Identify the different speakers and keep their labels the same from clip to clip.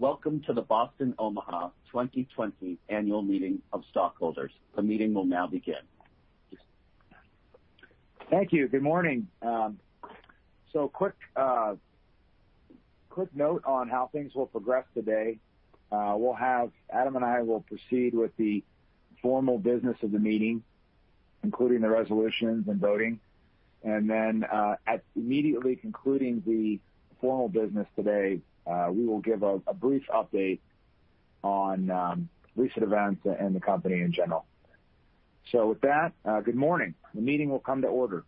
Speaker 1: Welcome to the Boston Omaha 2020 Annual Meeting of Stockholders. The meeting will now begin.
Speaker 2: Thank you. Good morning. A quick note on how things will progress today. Adam and I will proceed with the formal business of the meeting, including the resolutions and voting. Immediately concluding the formal business today, we will give a brief update on recent events and the company in general. With that, good morning. The meeting will come to order.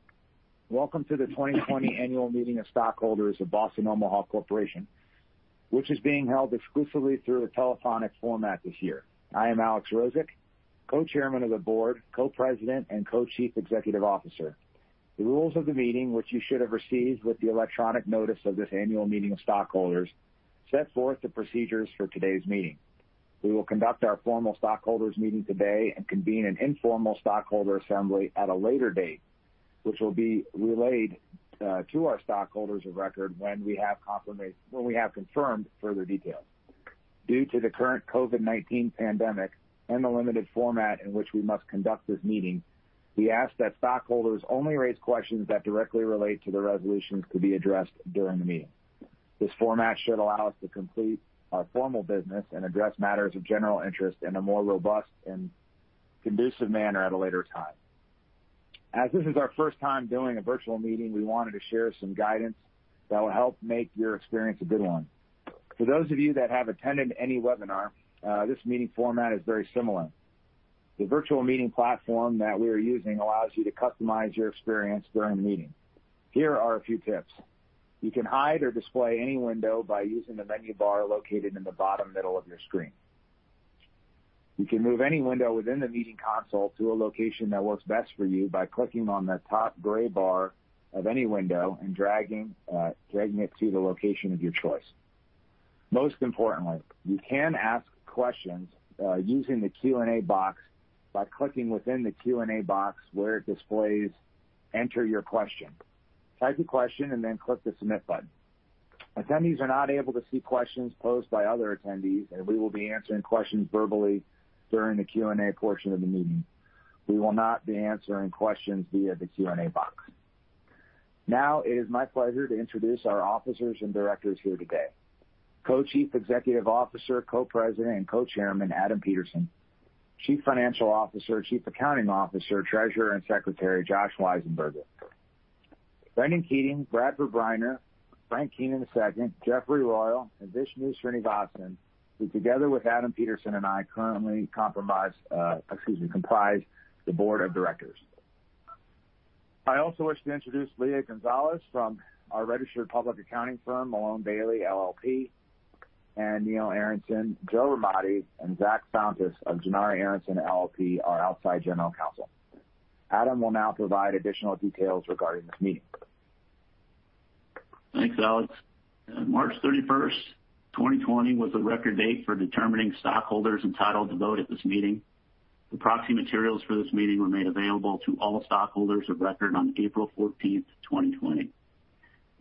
Speaker 2: Welcome to the 2020 Annual Meeting of Stockholders of Boston Omaha Corporation, which is being held exclusively through a telephonic format this year. I am Alex Rozek, Co-Chairman of The Board, Co-President, and Co-Chief Executive Officer. The rules of the meeting, which you should have received with the electronic notice of this annual meeting of stockholders, set forth the procedures for today's meeting. We will conduct our formal stockholders' meeting today and convene an informal stockholder assembly at a later date, which will be relayed to our stockholders of record when we have confirmed further details. Due to the current COVID-19 pandemic and the limited format in which we must conduct this meeting, we ask that stockholders only raise questions that directly relate to the resolutions to be addressed during the meeting. This format should allow us to complete our formal business and address matters of general interest in a more robust and conducive manner at a later time. As this is our first time doing a virtual meeting, we wanted to share some guidance that will help make your experience a good one. For those of you that have attended any webinar, this meeting format is very similar. The virtual meeting platform that we are using allows you to customize your experience during the meeting. Here are a few tips. You can hide or display any window by using the menu bar located in the bottom middle of your screen. You can move any window within the meeting console to a location that works best for you by clicking on the top gray bar of any window and dragging it to the location of your choice. Most importantly, you can ask questions using the Q&A box by clicking within the Q&A box where it displays "Enter your question." Type a question and then click the submit button. Attendees are not able to see questions posed by other attendees, and we will be answering questions verbally during the Q&A portion of the meeting. We will not be answering questions via the Q&A box. Now, it is my pleasure to introduce our officers and directors here today. Co-Chief Executive Officer, Co-President, and Co-Chairman Adam Peterson. Chief Financial Officer, Chief Accounting Officer, Treasurer, and Secretary Josh Weisenburger. Brendan Keating, Bradford Briner, Frank Kenan II, Jeffrey Royal, and Vishnu Srinivasan, who together with Adam Peterson and I currently comprise the board of directors. I also wish to introduce Leah Gonzalez from our registered public accounting firm, MaloneBailey LLP, and Neil Aronson, Joe Ramadei, and Zach Fountas of Gennari Aronson LLP, our outside general counsel. Adam will now provide additional details regarding this meeting.
Speaker 3: Thanks, Alex. March 31, 2020, was the record date for determining stockholders entitled to vote at this meeting. The proxy materials for this meeting were made available to all stockholders of record on April 14, 2020.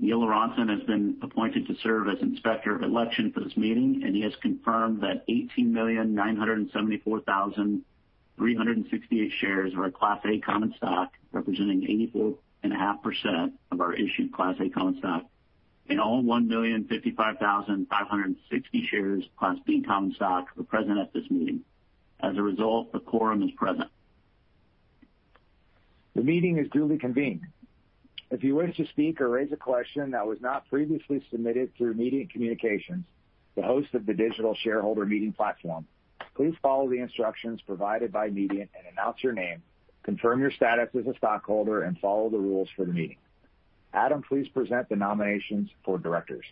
Speaker 3: Neil Aronson has been appointed to serve as inspector of election for this meeting, and he has confirmed that 18,974,368 shares are Class A common stock, representing 84.5% of our issued Class A common stock, and all 1,055,560 shares of Class B common stock were present at this meeting. As a result, the quorum is present.
Speaker 2: The meeting is duly convened. If you wish to speak or raise a question that was not previously submitted through Mediant Communications, the host of the digital shareholder meeting platform, please follow the instructions provided by Mediant and announce your name, confirm your status as a stockholder, and follow the rules for the meeting. Adam, please present the nominations for Directors.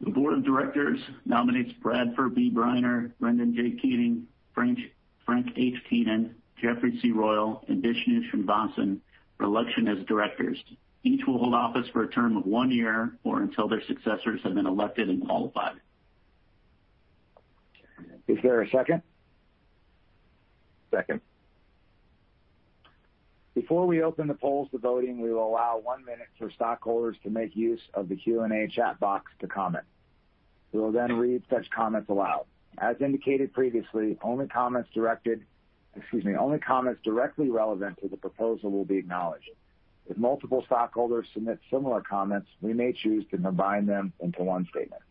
Speaker 3: The Board of Directors nominates Bradford B. Brenner, Brendan J. Keating, Frank H. Kenan, Jeffrey C. Royal, and Vishnu Srinivasan for election as Directors. Each will hold office for a term of one year or until their successors have been elected and qualified.
Speaker 2: Is there a second?
Speaker 4: Second.
Speaker 2: Before we open the polls to voting, we will allow one minute for stockholders to make use of the Q&A chat box to comment. We will then read such comments aloud. As indicated previously, only comments directly relevant to the proposal will be acknowledged. If multiple stockholders submit similar comments, we may choose to combine them into one statement.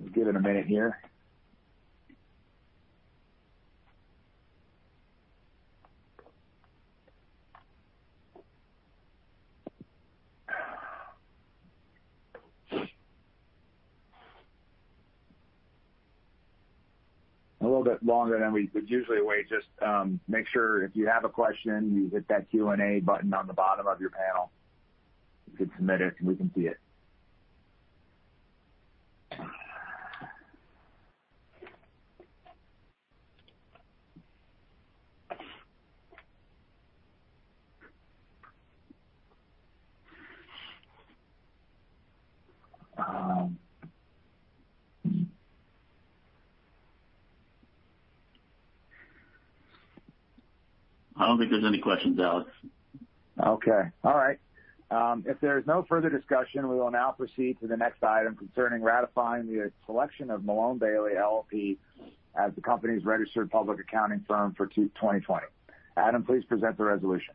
Speaker 2: We'll give it a minute here. A little bit longer than we would usually wait. Just make sure if you have a question, you hit that Q&A button on the bottom of your panel. You can submit it, and we can see it.
Speaker 3: I don't think there's any questions, Alex.
Speaker 2: Okay. All right. If there is no further discussion, we will now proceed to the next item concerning ratifying the selection of MaloneBailey LLP as the company's registered public accounting firm for 2020. Adam, please present the resolution.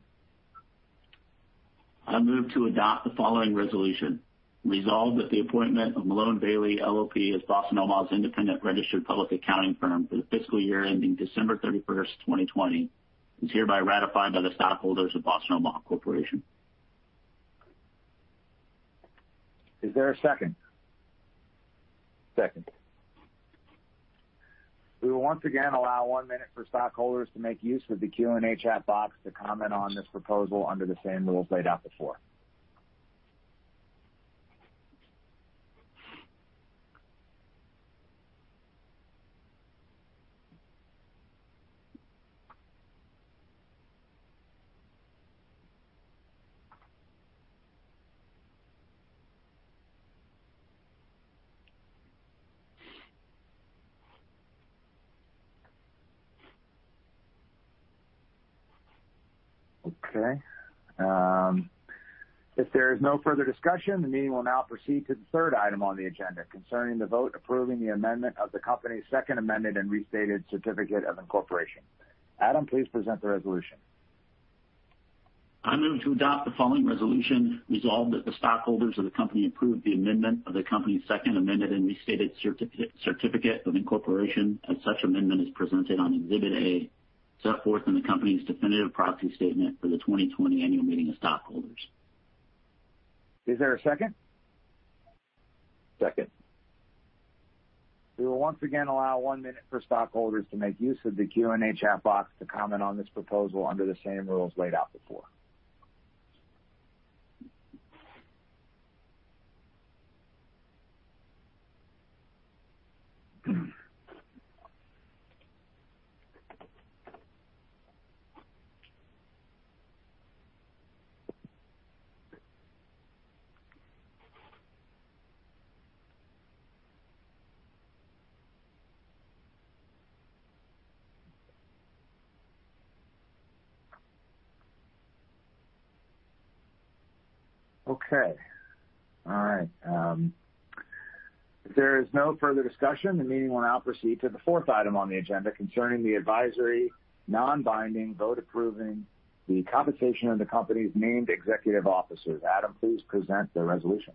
Speaker 3: I move to adopt the following resolution: Resolve that the appointment of MaloneBailey LLP as Boston Omaha's independent registered public accounting firm for the fiscal year ending December 31, 2020, is hereby ratified by the stockholders of Boston Omaha Corporation.
Speaker 2: Is there a second?
Speaker 4: Second.
Speaker 2: We will once again allow one minute for stockholders to make use of the Q&A chat box to comment on this proposal under the same rules laid out before. Okay. If there is no further discussion, the meeting will now proceed to the third item on the agenda concerning the vote approving the amendment of the company's second amended and restated certificate of incorporation. Adam, please present the resolution.
Speaker 3: I move to adopt the following resolution. Resolve that the stockholders of the company approve the amendment of the company's second amended and restated certificate of incorporation as such amendment is presented on Exhibit A set forth in the company's definitive proxy statement for the 2020 Annual Meeting of Stockholders.
Speaker 2: Is there a second?
Speaker 4: Second.
Speaker 2: We will once again allow one minute for stockholders to make use of the Q&A chat box to comment on this proposal under the same rules laid out before. Okay. All right. If there is no further discussion, the meeting will now proceed to the fourth item on the agenda concerning the advisory non-binding vote approving the compensation of the company's named executive officers. Adam, please present the resolution.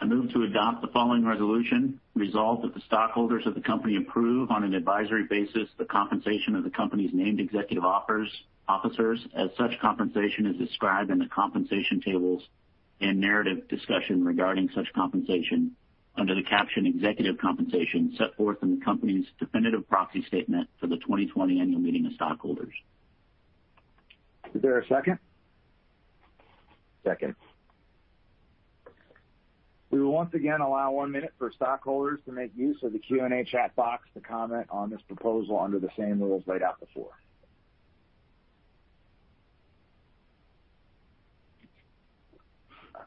Speaker 3: I move to adopt the following resolution. Resolve that the stockholders of the company approve on an advisory basis the compensation of the company's named executive officers as such compensation is described in the compensation tables and narrative discussion regarding such compensation under the caption "Executive Compensation" set forth in the company's definitive proxy statement for the 2020 Annual Meeting of Stockholders.
Speaker 2: Is there a second?
Speaker 4: Second.
Speaker 2: We will once again allow one minute for stockholders to make use of the Q&A chat box to comment on this proposal under the same rules laid out before.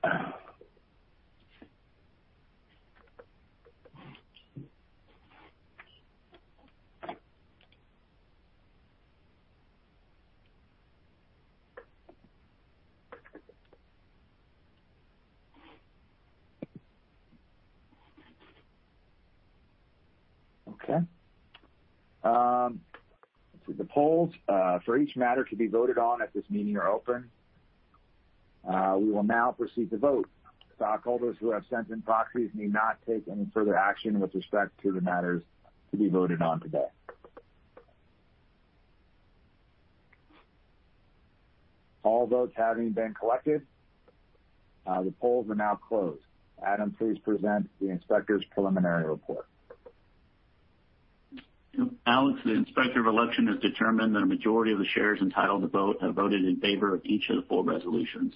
Speaker 2: Okay. The polls for each matter to be voted on at this meeting are open. We will now proceed to vote. Stockholders who have sent in proxies need not take any further action with respect to the matters to be voted on today. All votes having been collected, the polls are now closed. Adam, please present the inspector's preliminary report.
Speaker 3: Alex, the inspector of election has determined that a majority of the shares entitled to vote have voted in favor of each of the four resolutions.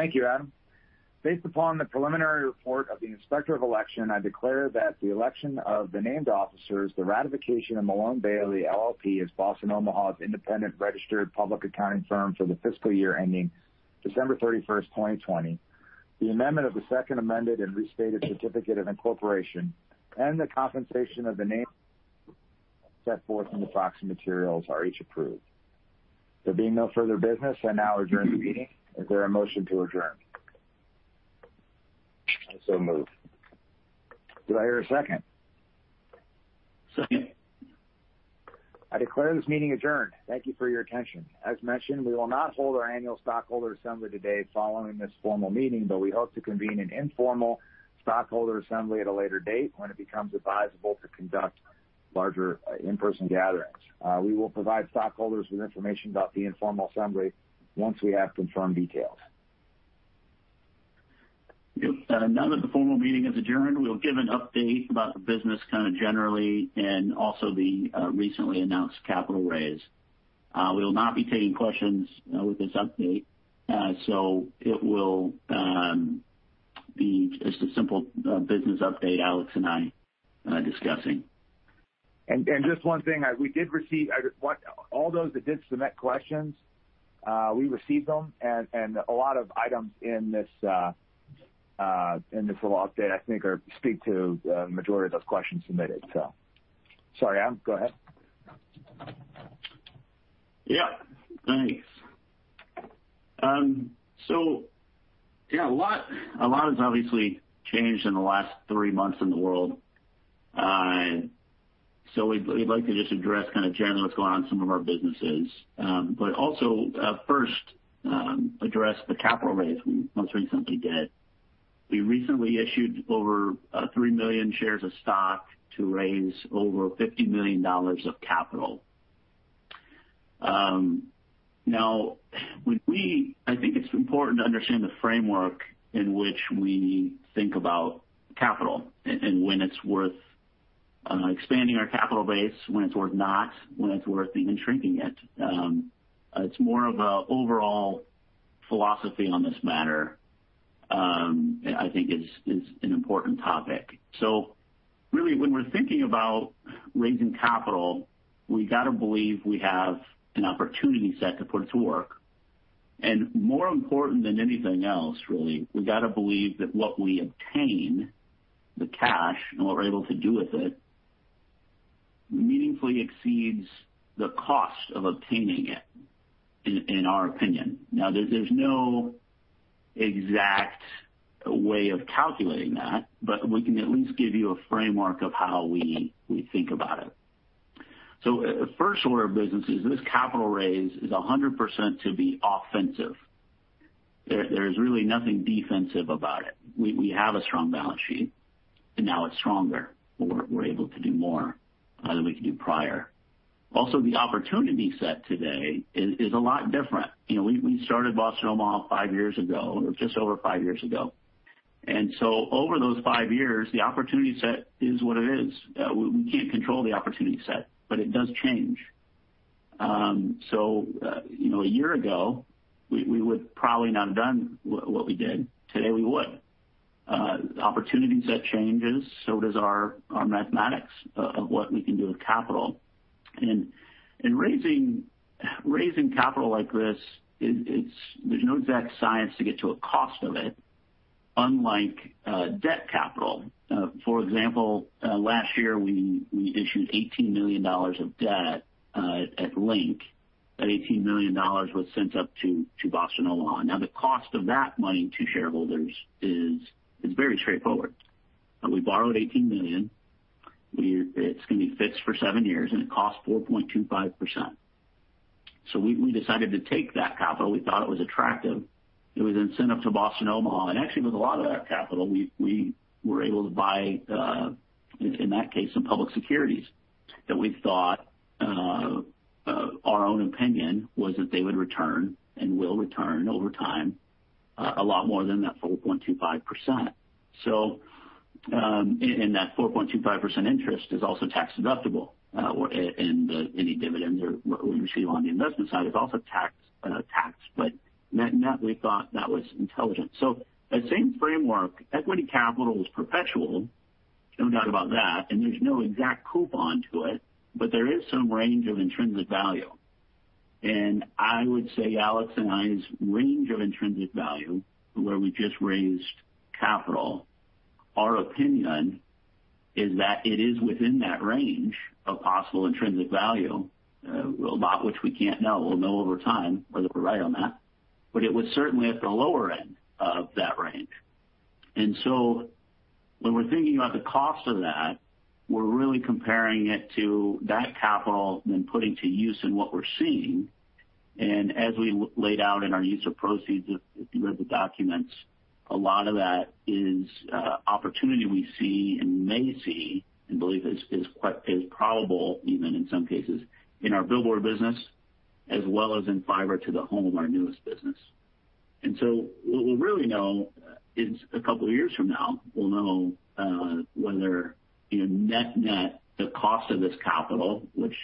Speaker 2: Thank you, Adam. Based upon the preliminary report of the inspector of election, I declare that the election of the named officers, the ratification of MaloneBailey LLP as Boston Omaha's independent registered public accounting firm for the fiscal year ending December 31, 2020, the amendment of the second amended and restated certificate of incorporation, and the compensation of the named set forth in the proxy materials are each approved. There being no further business, I now adjourn the meeting. Is there a motion to adjourn? I so move. Do I hear a second?
Speaker 4: Second.
Speaker 2: I declare this meeting adjourned. Thank you for your attention. As mentioned, we will not hold our annual stockholder assembly today following this formal meeting, but we hope to convene an informal stockholder assembly at a later date when it becomes advisable to conduct larger in-person gatherings. We will provide stockholders with information about the informal assembly once we have confirmed details.
Speaker 3: Now that the formal meeting is adjourned, we'll give an update about the business kind of generally and also the recently announced capital raise. We will not be taking questions with this update, so it will be just a simple business update, Alex and I discussing.
Speaker 2: Just one thing, we did receive all those that did submit questions, we received them, and a lot of items in this little update, I think, speak to the majority of those questions submitted. Sorry, Adam, go ahead.
Speaker 3: Yeah. Thanks. Yeah, a lot has obviously changed in the last three months in the world. We would like to just address kind of generally what is going on in some of our businesses, but also first address the capital raise we most recently did. We recently issued over three million shares of stock to raise over $50 million of capital. Now, I think it is important to understand the framework in which we think about capital and when it is worth expanding our capital base, when it is worth not, when it is worth even shrinking it. It is more of an overall philosophy on this matter, I think, is an important topic. Really, when we are thinking about raising capital, we have to believe we have an opportunity set to put it to work. More important than anything else, really, we got to believe that what we obtain, the cash, and what we're able to do with it, meaningfully exceeds the cost of obtaining it, in our opinion. There is no exact way of calculating that, but we can at least give you a framework of how we think about it. First order of business is this capital raise is 100% to be offensive. There is really nothing defensive about it. We have a strong balance sheet, and now it's stronger. We're able to do more than we could do prior. Also, the opportunity set today is a lot different. We started Boston Omaha five years ago, or just over five years ago. Over those five years, the opportunity set is what it is. We can't control the opportunity set, but it does change. A year ago, we would probably not have done what we did. Today, we would. Opportunity set changes, so does our mathematics of what we can do with capital. Raising capital like this, there's no exact science to get to a cost of it, unlike debt capital. For example, last year, we issued $18 million of debt at Link. That $18 million was sent up to Boston Omaha. Now, the cost of that money to shareholders is very straightforward. We borrowed $18 million. It's going to be fixed for seven years, and it costs 4.25%. We decided to take that capital. We thought it was attractive. It was then sent up to Boston Omaha. Actually, with a lot of that capital, we were able to buy, in that case, some public securities that we thought, our own opinion, was that they would return and will return over time a lot more than that 4.25%. That 4.25% interest is also tax deductible. Any dividends or what we receive on the investment side is also taxed. In that, we thought that was intelligent. That same framework, equity capital is perpetual. No doubt about that. There is no exact coupon to it, but there is some range of intrinsic value. I would say, Alex and I, range of intrinsic value where we just raised capital, our opinion is that it is within that range of possible intrinsic value, about which we can't know. We'll know over time whether we're right on that. It was certainly at the lower end of that range. When we're thinking about the cost of that, we're really comparing it to that capital and then putting it to use in what we're seeing. As we laid out in our use of proceeds, if you read the documents, a lot of that is opportunity we see and may see and believe is probable, even in some cases, in our billboard business as well as in fiber to the home of our newest business. What we'll really know is a couple of years from now, we'll know whether net-net the cost of this capital, which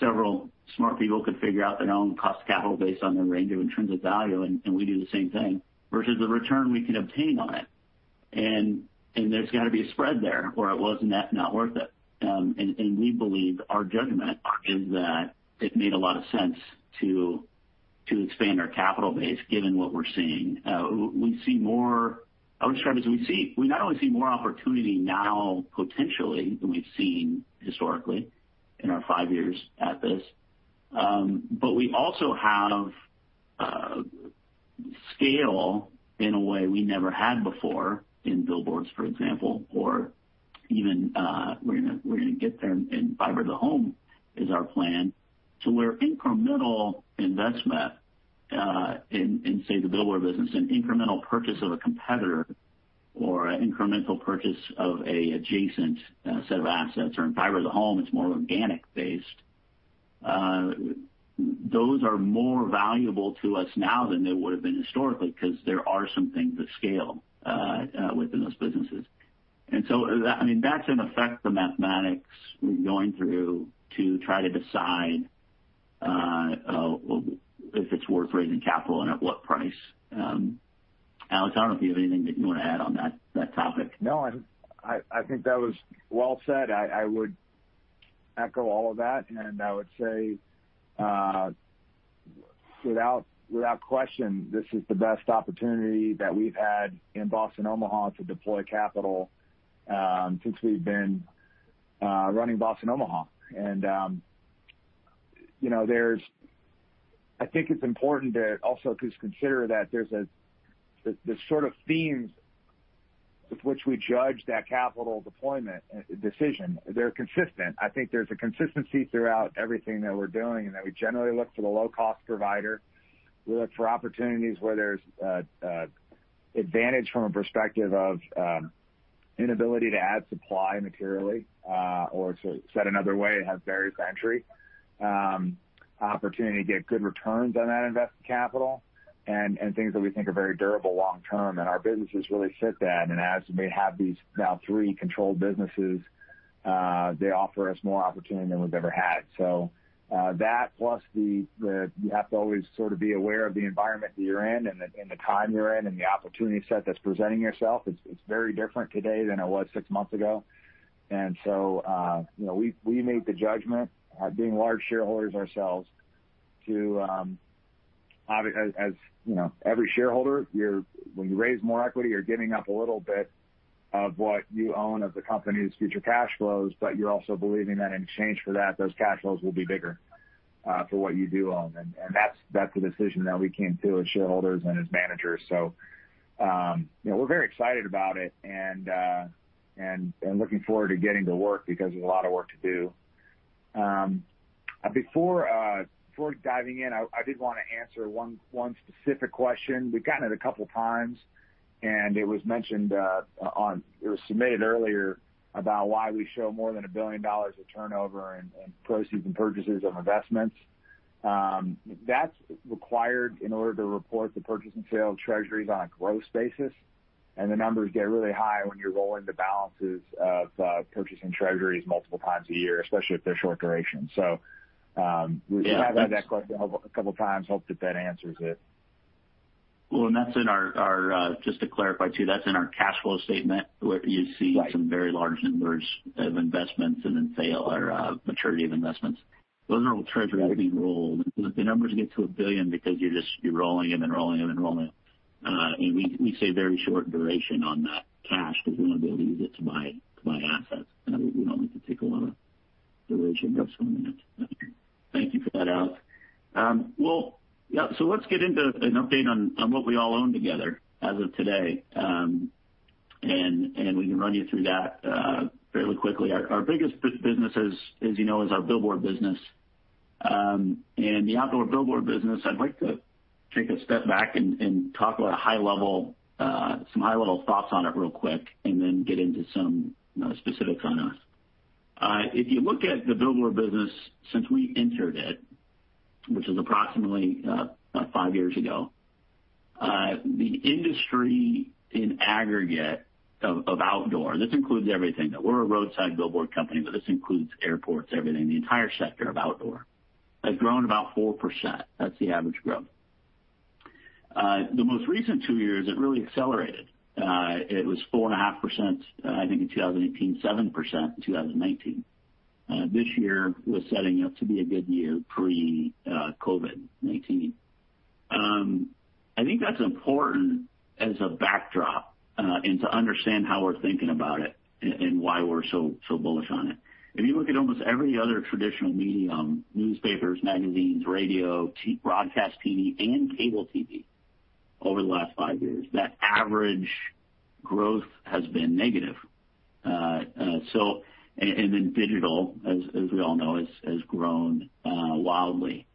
Speaker 3: several smart people could figure out their own cost of capital based on their range of intrinsic value, and we do the same thing, versus the return we can obtain on it. There has got to be a spread there, or it was not net-not-worth it. We believe our judgment is that it made a lot of sense to expand our capital base given what we are seeing. We see more—I would describe it as we see—we not only see more opportunity now potentially than we have seen historically in our five years at this, but we also have scale in a way we never had before in billboards, for example, or even we are going to get there in fiber to the home is our plan. Where incremental investment in, say, the billboard business, an incremental purchase of a competitor or an incremental purchase of an adjacent set of assets, or in fiber to the home, it is more organic-based, those are more valuable to us now than they would have been historically because there are some things that scale within those businesses. I mean, that's in effect the mathematics we're going through to try to decide if it's worth raising capital and at what price. Alex, I don't know if you have anything that you want to add on that topic.
Speaker 2: No, I think that was well said. I would echo all of that. I would say, without question, this is the best opportunity that we've had in Boston Omaha to deploy capital since we've been running Boston Omaha. I think it's important to also consider that there's a sort of themes with which we judge that capital deployment decision, they're consistent. I think there's a consistency throughout everything that we're doing, and that we generally look for the low-cost provider. We look for opportunities where there's advantage from a perspective of inability to add supply materially, or said another way, have various entry opportunity to get good returns on that invested capital and things that we think are very durable long-term. Our businesses really fit that. As we have these now three controlled businesses, they offer us more opportunity than we've ever had. That, plus the—you have to always sort of be aware of the environment that you're in and the time you're in and the opportunity set that's presenting yourself. It's very different today than it was six months ago. We made the judgment, being large shareholders ourselves, to, as every shareholder, when you raise more equity, you're giving up a little bit of what you own of the company's future cash flows, but you're also believing that in exchange for that, those cash flows will be bigger for what you do own. That's the decision that we came to as shareholders and as managers. We're very excited about it and looking forward to getting to work because there's a lot of work to do. Before diving in, I did want to answer one specific question. We've gotten it a couple of times, and it was mentioned on—it was submitted earlier about why we show more than $1 billion of turnover in proceeds and purchases of investments. That's required in order to report the purchase and sale of treasuries on a gross basis. The numbers get really high when you're rolling the balances of purchasing treasuries multiple times a year, especially if they're short duration. We have had that question a couple of times. Hope that that answers it.
Speaker 3: That is in our—just to clarify too, that is in our cash flow statement where you see some very large numbers of investments and then sale or maturity of investments. Those are all treasuries being rolled. The numbers get to a billion because you are just rolling them and rolling them and rolling them. We say very short duration on that cash because we want to be able to use it to buy assets. We do not like to take a lot of duration customer management. Thank you for that, Alex. Yeah, let us get into an update on what we all own together as of today. We can run you through that fairly quickly. Our biggest business, as you know, is our billboard business. The Outdoor Billboard business, I'd like to take a step back and talk about some high-level thoughts on it real quick and then get into some specifics on us. If you look at the billboard business since we entered it, which was approximately five years ago, the industry in aggregate of outdoor—this includes everything. We're a roadside billboard company, but this includes airports, everything, the entire sector of outdoor—has grown about 4%. That's the average growth. The most recent two years, it really accelerated. It was 4.5% in 2018, 7% in 2019. This year was setting up to be a good year pre-COVID-19. I think that's important as a backdrop and to understand how we're thinking about it and why we're so bullish on it. If you look at almost every other traditional medium, newspapers, magazines, radio, broadcast TV, and cable TV over the last five years, that average growth has been negative. Digital, as we all know, has grown wildly.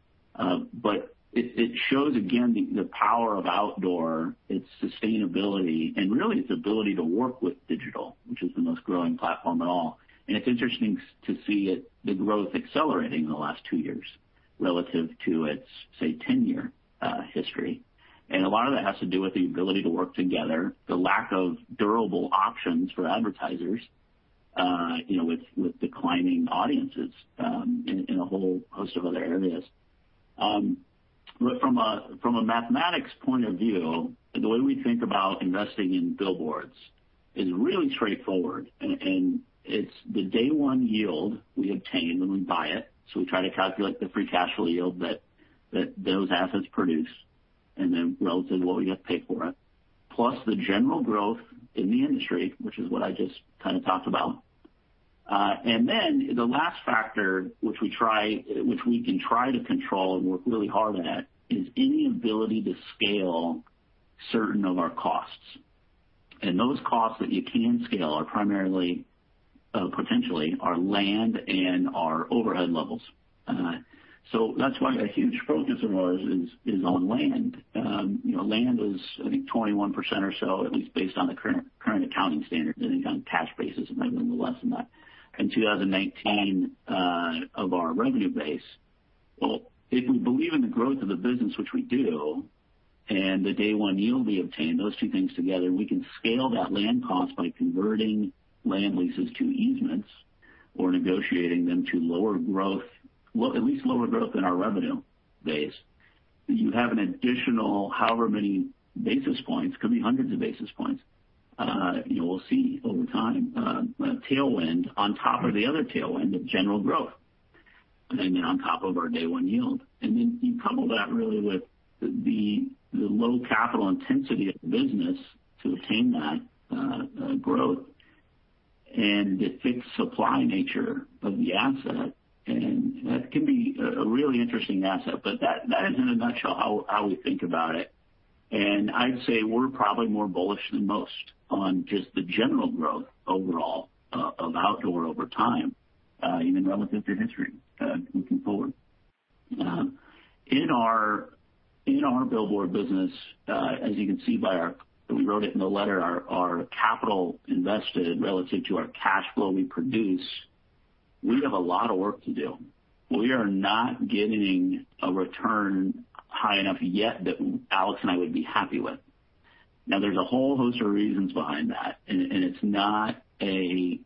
Speaker 3: It shows, again, the power of outdoor, its sustainability, and really its ability to work with digital, which is the most growing platform of all. It is interesting to see the growth accelerating in the last two years relative to its, say, 10-year history. A lot of that has to do with the ability to work together, the lack of durable options for advertisers with declining audiences in a whole host of other areas. From a mathematics point of view, the way we think about investing in billboards is really straightforward. It is the day-one yield we obtain when we buy it. We try to calculate the free cash flow yield that those assets produce and then relative to what we get to pay for it, plus the general growth in the industry, which is what I just kind of talked about. The last factor, which we can try to control and work really hard at, is any ability to scale certain of our costs. Those costs that you can scale are primarily, potentially, our land and our overhead levels. That is why a huge focus of ours is on land. Land is, I think, 21% or so, at least based on the current accounting standards, any kind of cash basis, maybe a little less than that. In 2019, of our revenue base, if we believe in the growth of the business, which we do, and the day-one yield we obtain, those two things together, we can scale that land cost by converting land leases to easements or negotiating them to lower growth, at least lower growth in our revenue base. You have an additional, however many basis points, could be hundreds of basis points. We'll see over time, a tailwind on top of the other tailwind of general growth, and then on top of our day-one yield. You couple that really with the low capital intensity of the business to obtain that growth and the fixed supply nature of the asset. That can be a really interesting asset, but that is, in a nutshell, how we think about it. I would say we are probably more bullish than most on just the general growth overall of outdoor over time, even relative to history looking forward. In our billboard business, as you can see by our—we wrote it in the letter—our capital invested relative to our cash flow we produce, we have a lot of work to do. We are not getting a return high enough yet that Alex and I would be happy with. Now, there is a whole host of reasons behind that. It is not a—we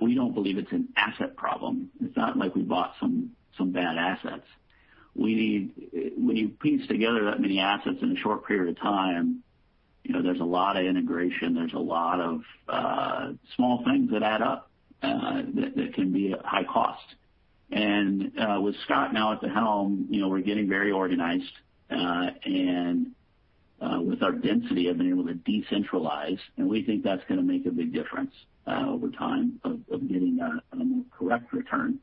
Speaker 3: do not believe it is an asset problem. It is not like we bought some bad assets. When you piece together that many assets in a short period of time, there is a lot of integration. There are a lot of small things that add up that can be a high cost. With Scott now at the helm, we are getting very organized. With our density, I've been able to decentralize. We think that's going to make a big difference over time of getting a more correct return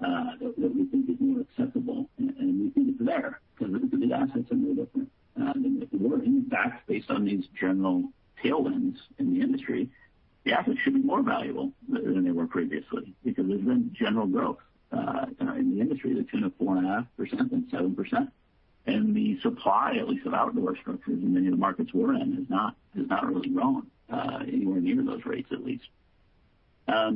Speaker 3: that we think is more acceptable. We think it's there because the assets are no different. In fact, based on these general tailwinds in the industry, the assets should be more valuable than they were previously because there's been general growth in the industry that's been at 4.5% and 7%. The supply, at least of outdoor structures in many of the markets we're in, has not really grown anywhere near those rates, at least. A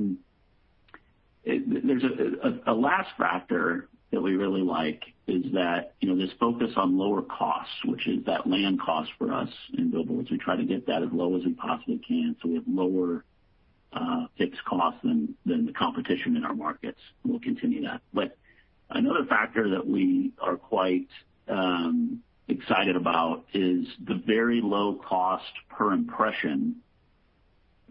Speaker 3: last factor that we really like is that this focus on lower costs, which is that land cost for us in Billboards. We try to get that as low as we possibly can so we have lower fixed costs than the competition in our markets. We will continue that. Another factor that we are quite excited about is the very low cost per impression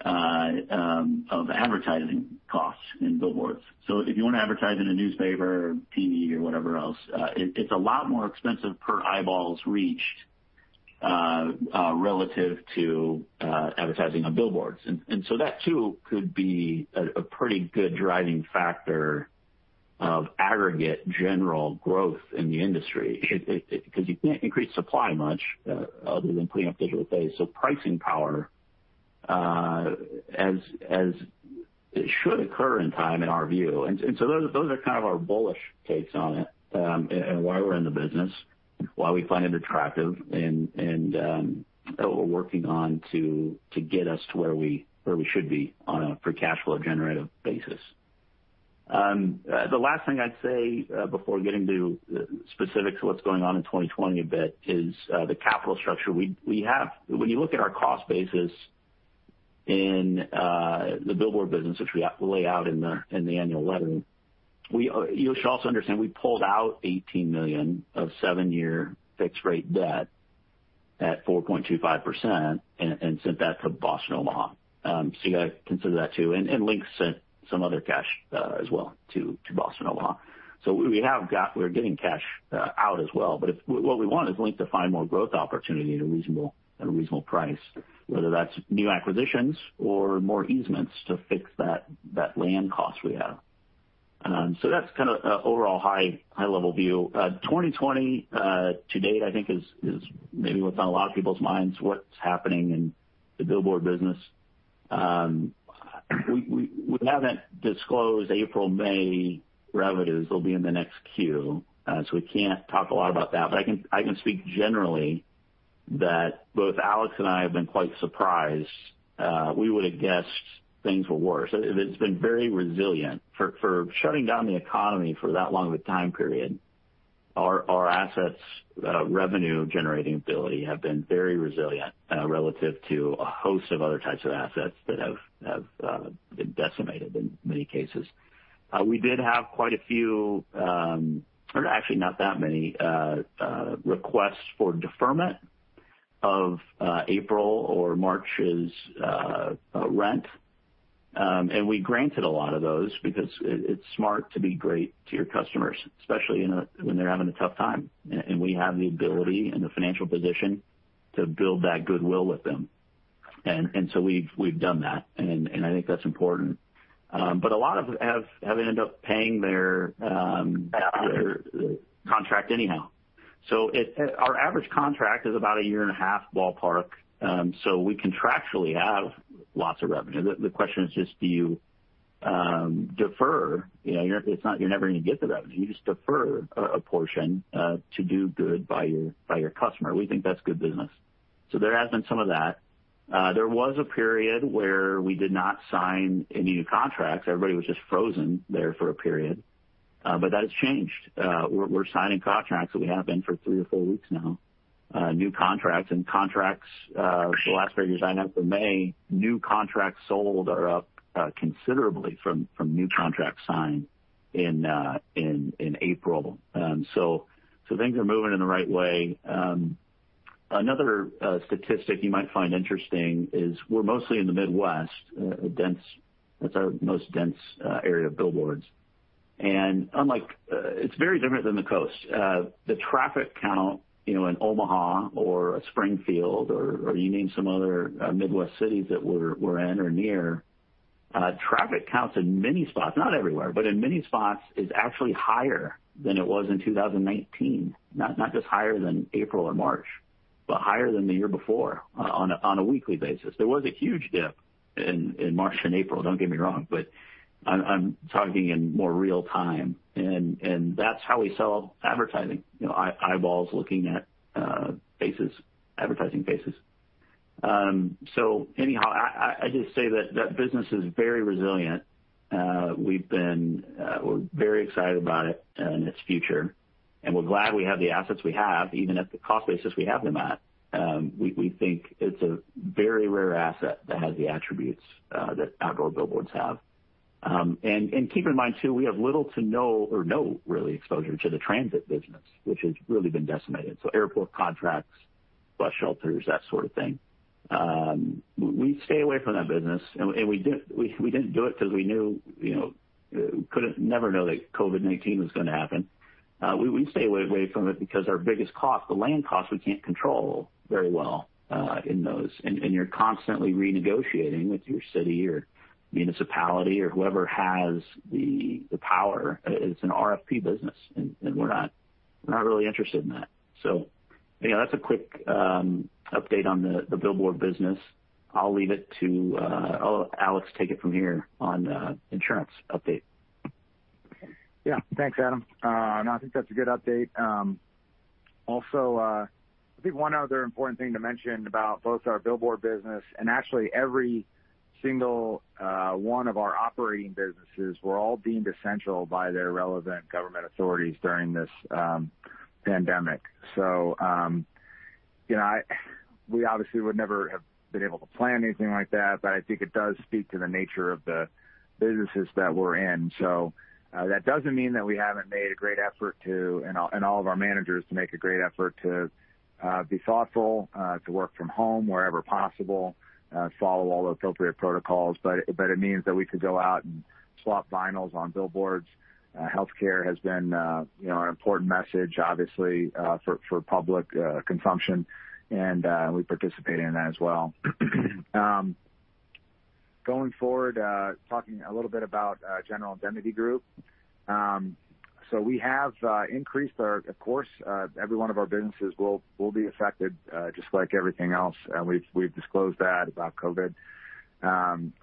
Speaker 3: of advertising costs in billboards. If you want to advertise in a newspaper or TV or whatever else, it is a lot more expensive per eyeballs reached relative to advertising on billboards. That too could be a pretty good driving factor of aggregate general growth in the industry because you cannot increase supply much other than putting up digital space. Pricing power, as it should occur in time, in our view. Those are kind of our bullish takes on it and why we're in the business, why we find it attractive, and what we're working on to get us to where we should be on a free cash flow generator basis. The last thing I'd say before getting to specifics of what's going on in 2020 a bit is the capital structure we have. When you look at our cost basis in the billboard business, which we lay out in the annual letter, you should also understand we pulled out $18 million of seven-year fixed-rate debt at 4.25% and sent that to Boston Omaha. You got to consider that too. Link sent some other cash as well to Boston Omaha. We're getting cash out as well. What we want is Link to find more growth opportunity at a reasonable price, whether that's new acquisitions or more easements to fix that land cost we have. That's kind of an overall high-level view 2020 to date, I think, is maybe what's on a lot of people's minds, what's happening in the billboard business. We haven't disclosed April, May revenues. They'll be in the next queue. We can't talk a lot about that. I can speak generally that both Alex and I have been quite surprised. We would have guessed things were worse. It's been very resilient. For shutting down the economy for that long of a time period, our assets' revenue-generating ability has been very resilient relative to a host of other types of assets that have been decimated in many cases. We did have quite a few, or actually not that many, requests for deferment of April or March's rent. We granted a lot of those because it's smart to be great to your customers, especially when they're having a tough time. We have the ability and the financial position to build that goodwill with them. We have done that. I think that's important. A lot of them have ended up paying their contract anyhow. Our average contract is about a year and a half ballpark. We contractually have lots of revenue. The question is just, do you defer? You're never going to get the revenue. You just defer a portion to do good by your customer. We think that's good business. There has been some of that. There was a period where we did not sign any new contracts. Everybody was just frozen there for a period. That has changed. We're signing contracts that we have been for three or four weeks now, new contracts. Contracts, the last figures I know for May, new contracts sold are up considerably from new contracts signed in April. Things are moving in the right way. Another statistic you might find interesting is we're mostly in the Midwest. That's our most dense area of billboards. It's very different than the coast. The traffic count in Omaha or Springfield, or you name some other Midwest cities that we're in or near, traffic counts in many spots, not everywhere, but in many spots is actually higher than it was in 2019. Not just higher than April or March, but higher than the year before on a weekly basis. There was a huge dip in March and April, don't get me wrong. I'm talking in more real time. That's how we sell advertising, eyeballs looking at advertising faces. Anyhow, I just say that that business is very resilient. We're very excited about it and its future. We're glad we have the assets we have, even at the cost basis we have them at. We think it's a very rare asset that has the attributes that outdoor billboards have. Keep in mind too, we have little to no or no really exposure to the transit business, which has really been decimated. Airport contracts, bus shelters, that sort of thing. We stay away from that business. We didn't do it because we knew we could never know that COVID-19 was going to happen. We stay away from it because our biggest cost, the land cost, we can't control very well in those. You are constantly renegotiating with your city or municipality or whoever has the power. It is an RFP business. We are not really interested in that. That is a quick update on the billboard business. I will leave it to Alex to take it from here on the insurance update.
Speaker 2: Yeah. Thanks, Adam. No, I think that is a good update. Also, I think one other important thing to mention about both our billboard business and actually every single one of our operating businesses is that we were all deemed essential by their relevant government authorities during this pandemic. We obviously would never have been able to plan anything like that, but I think it does speak to the nature of the businesses that we are in. That does not mean that we have not made a great effort to, and all of our managers to make a great effort to be thoughtful, to work from home wherever possible, follow all the appropriate protocols. It means that we could go out and swap vinyl's on billboards. Healthcare has been an important message, obviously, for public consumption. We participate in that as well. Going forward, talking a little bit about General Indemnity Group. We have increased our, of course, every one of our businesses will be affected just like everything else. We have disclosed that about COVID.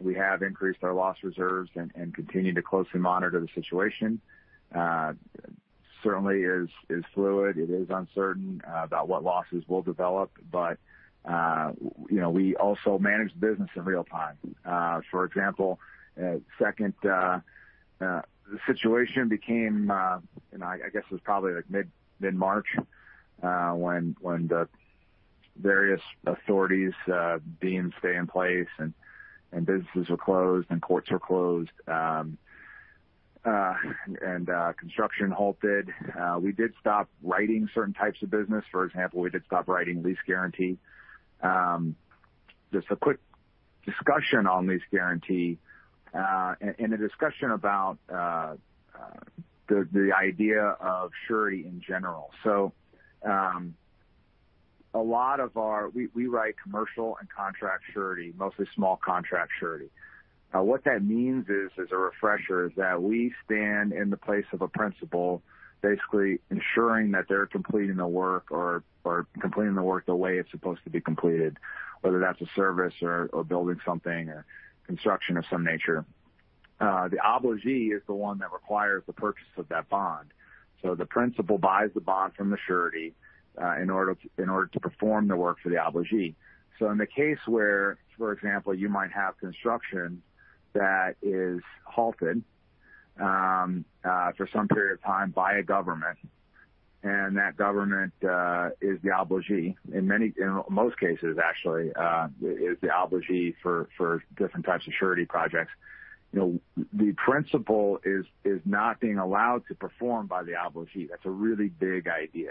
Speaker 2: We have increased our loss reserves and continue to closely monitor the situation. It certainly is fluid. It is uncertain about what losses will develop. We also manage the business in real time. For example, second situation became, and I guess it was probably like mid-March when the various authorities deemed to stay in place and businesses were closed and courts were closed and construction halted. We did stop writing certain types of business. For example, we did stop writing lease guarantee. Just a quick discussion on lease guarantee and a discussion about the idea of surety in general. A lot of our we write commercial and contract surety, mostly small contract surety. What that means is, as a refresher, is that we stand in the place of a principal, basically ensuring that they're completing the work or completing the work the way it's supposed to be completed, whether that's a service or building something or construction of some nature. The obligee is the one that requires the purchase of that bond. The principal buys the bond from the surety in order to perform the work for the obligee. In the case where, for example, you might have construction that is halted for some period of time by a government, and that government is the obligee, in most cases, actually, is the obligee for different types of surety projects. The principal is not being allowed to perform by the obligee. That's a really big idea.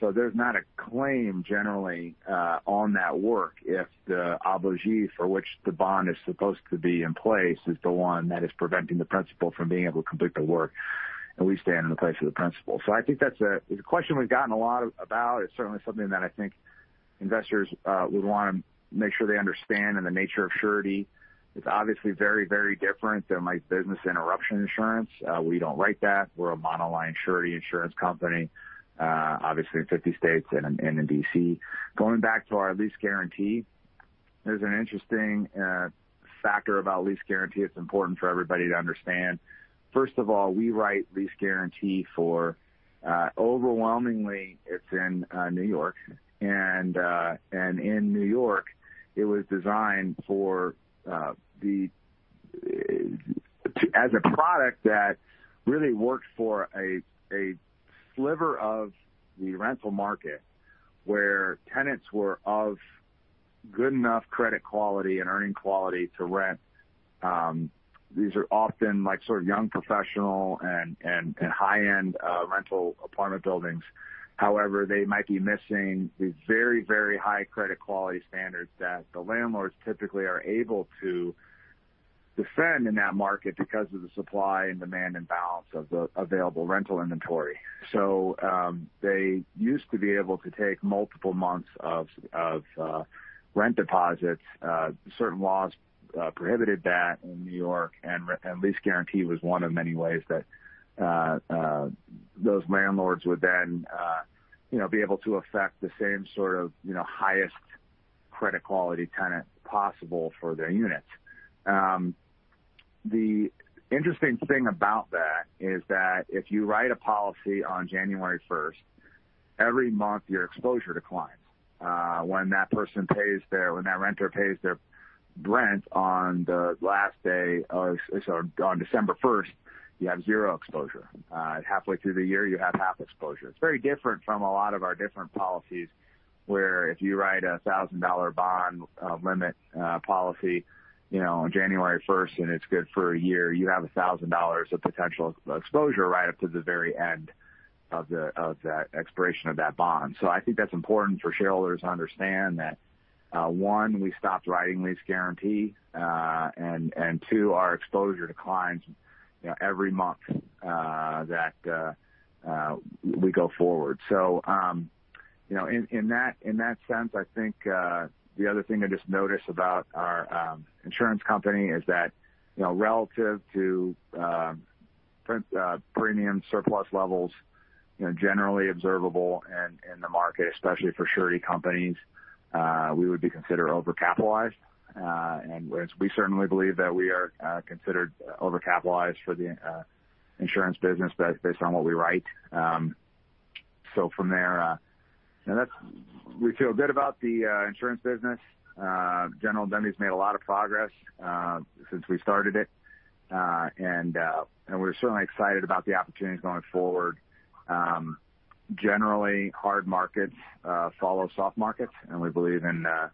Speaker 2: There's not a claim generally on that work if the obligee for which the bond is supposed to be in place is the one that is preventing the principal from being able to complete the work. We stand in the place of the principal. I think that's a question we've gotten a lot about. It's certainly something that I think investors would want to make sure they understand and the nature of surety. It's obviously very, very different than business interruption insurance. We don't write that. We're a monoline surety insurance company, obviously, in 50 states and in DC. Going back to our lease guarantee, there's an interesting factor about lease guarantee. It's important for everybody to understand. First of all, we write lease guarantee for overwhelmingly, it's in New York. And in New York, it was designed as a product that really worked for a sliver of the rental market where tenants were of good enough credit quality and earning quality to rent. These are often sort of young professional and high-end rental apartment buildings. However, they might be missing the very, very high credit quality standards that the landlords typically are able to defend in that market because of the supply and demand and balance of the available rental inventory. They used to be able to take multiple months of rent deposits. Certain laws prohibited that in New York. Lease guarantee was one of many ways that those landlords would then be able to affect the same sort of highest credit quality tenant possible for their units. The interesting thing about that is that if you write a policy on January 1st, every month your exposure declines. When that renter pays their rent on the last day of on December 1st, you have zero exposure. Halfway through the year, you have half exposure. It's very different from a lot of our different policies where if you write a $1,000 bond limit policy on January 1st and it's good for a year, you have $1,000 of potential exposure right up to the very end of the expiration of that bond. I think that's important for shareholders to understand that, one, we stopped writing lease guarantee. Two, our exposure declines every month that we go forward. In that sense, I think the other thing I just noticed about our insurance company is that relative to premium surplus levels, generally observable in the market, especially for surety companies, we would be considered overcapitalized. We certainly believe that we are considered overcapitalized for the insurance business based on what we write. From there, we feel good about the insurance business. General Indemnity has made a lot of progress since we started it. We are certainly excited about the opportunities going forward. Generally, hard markets follow soft markets. We believe very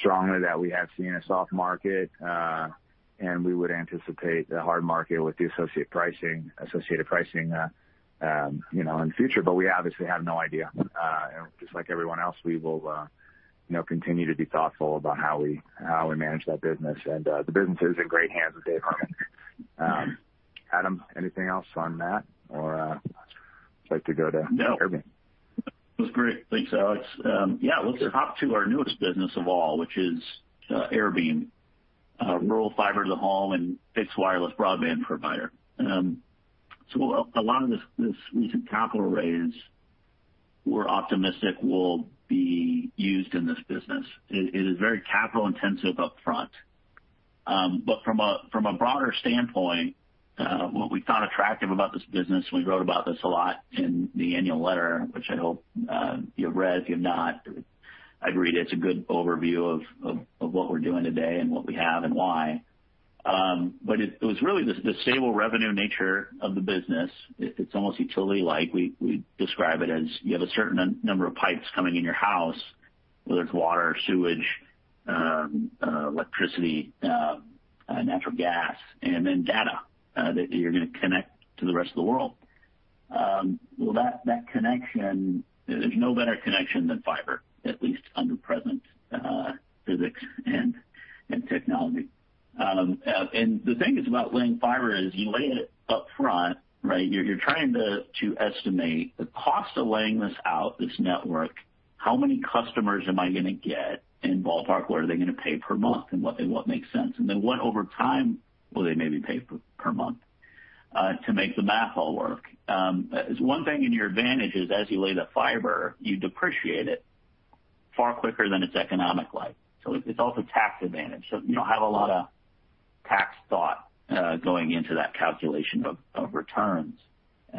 Speaker 2: strongly that we have seen a soft market. We would anticipate a hard market with the associated pricing in the future. We obviously have no idea. Just like everyone else, we will continue to be thoughtful about how we manage that business. The business is in great hands with Dave Harmon. Adam, anything else on that? Or would you like to go to Irving?
Speaker 3: No. That was great. Thanks, Alex. Yeah. Let's hop to our newest business of all, which is AireBeam, rural fiber-to-the-home and fixed wireless broadband provider. A lot of this recent capital raise we are optimistic will be used in this business. It is very capital-intensive upfront. From a broader standpoint, what we found attractive about this business, we wrote about this a lot in the annual letter, which I hope you've read. If you've not, I'd read it. It's a good overview of what we're doing today and what we have and why. It was really the stable revenue nature of the business. It's almost utility-like. We describe it as you have a certain number of pipes coming in your house, whether it's water, sewage, electricity, natural gas, and then data that you're going to connect to the rest of the world. That connection, there's no better connection than fiber, at least under present physics and technology. The thing is about laying fiber is you lay it upfront, right? You're trying to estimate the cost of laying this out, this network, how many customers am I going to get? Ballpark, what are they going to pay per month? What makes sense? What over time will they maybe pay per month to make the math all work? One thing in your advantage is as you lay the fiber, you depreciate it far quicker than its economic life. It is also a tax advantage. You do not have a lot of tax thought going into that calculation of returns.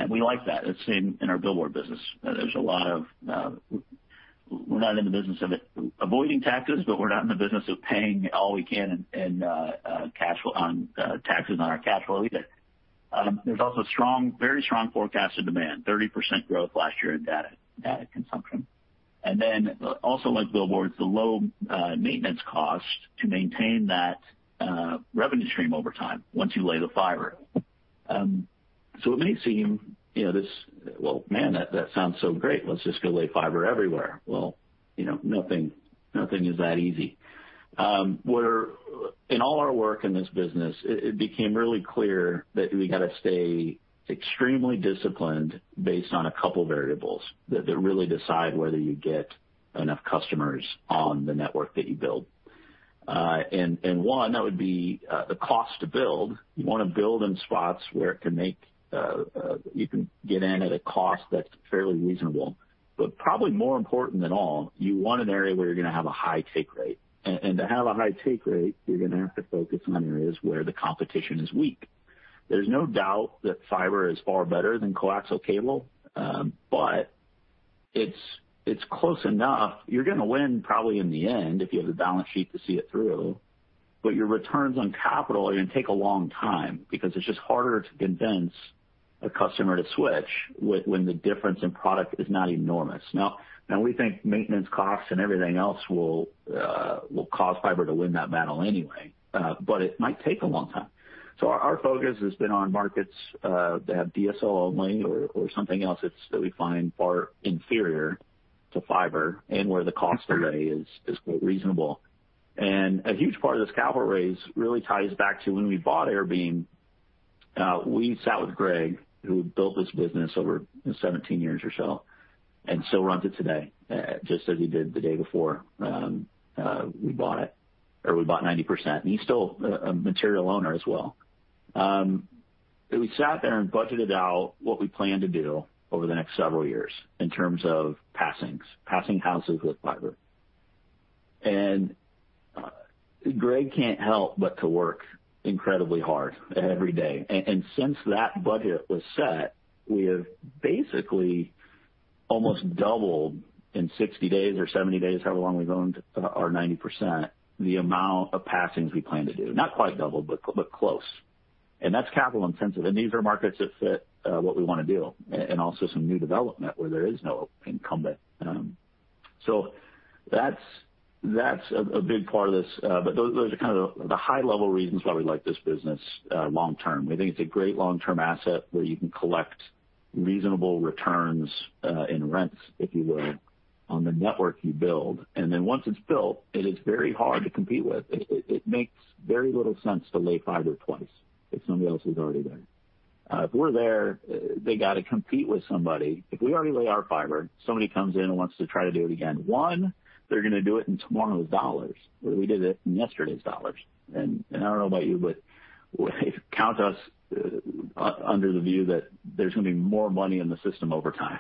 Speaker 3: We like that. It is the same in our billboard business. We are not in the business of avoiding taxes, but we are not in the business of paying all we can in taxes on our cash flow either. There is also a very strong forecast of demand, 30% growth last year in data consumption. Also, like billboards, the low maintenance cost to maintain that revenue stream over time once you lay the fiber. It may seem this, well, man, that sounds so great. Let's just go lay fiber everywhere. Nothing is that easy. In all our work in this business, it became really clear that we got to stay extremely disciplined based on a couple of variables that really decide whether you get enough customers on the network that you build. One, that would be the cost to build. You want to build in spots where you can get in at a cost that's fairly reasonable. Probably more important than all, you want an area where you're going to have a high take rate. To have a high take rate, you're going to have to focus on areas where the competition is weak. There's no doubt that fiber is far better than coaxial cable, but it's close enough. You're going to win probably in the end if you have the balance sheet to see it through. Your returns on capital are going to take a long time because it's just harder to convince a customer to switch when the difference in product is not enormous. We think maintenance costs and everything else will cause fiber to win that battle anyway, but it might take a long time. Our focus has been on markets that have DSL only or something else that we find far inferior to fiber and where the cost delay is quite reasonable. A huge part of this capital raise really ties back to when we bought AireBeam. We sat with Greg, who built this business over 17 years or so, and still runs it today, just as he did the day before we bought it, or we bought 90%. He is still a material owner as well. We sat there and budgeted out what we planned to do over the next several years in terms of passing houses with fiber. Greg cannot help but to work incredibly hard every day. Since that budget was set, we have basically almost doubled in 60 days or 70 days, however long we have owned our 90%, the amount of passings we plan to do. Not quite doubled, but close. That is capital-intensive. These are markets that fit what we want to do and also some new development where there is no incumbent. That is a big part of this. Those are kind of the high-level reasons why we like this business long-term. We think it is a great long-term asset where you can collect reasonable returns in rents, if you will, on the network you build. Once it's built, it is very hard to compete with. It makes very little sense to lay fiber twice if somebody else is already there. If we're there, they got to compete with somebody. If we already lay our fiber, somebody comes in and wants to try to do it again. One, they're going to do it in tomorrow's dollars, where we did it in yesterday's dollars. I don't know about you, but count us under the view that there's going to be more money in the system over time,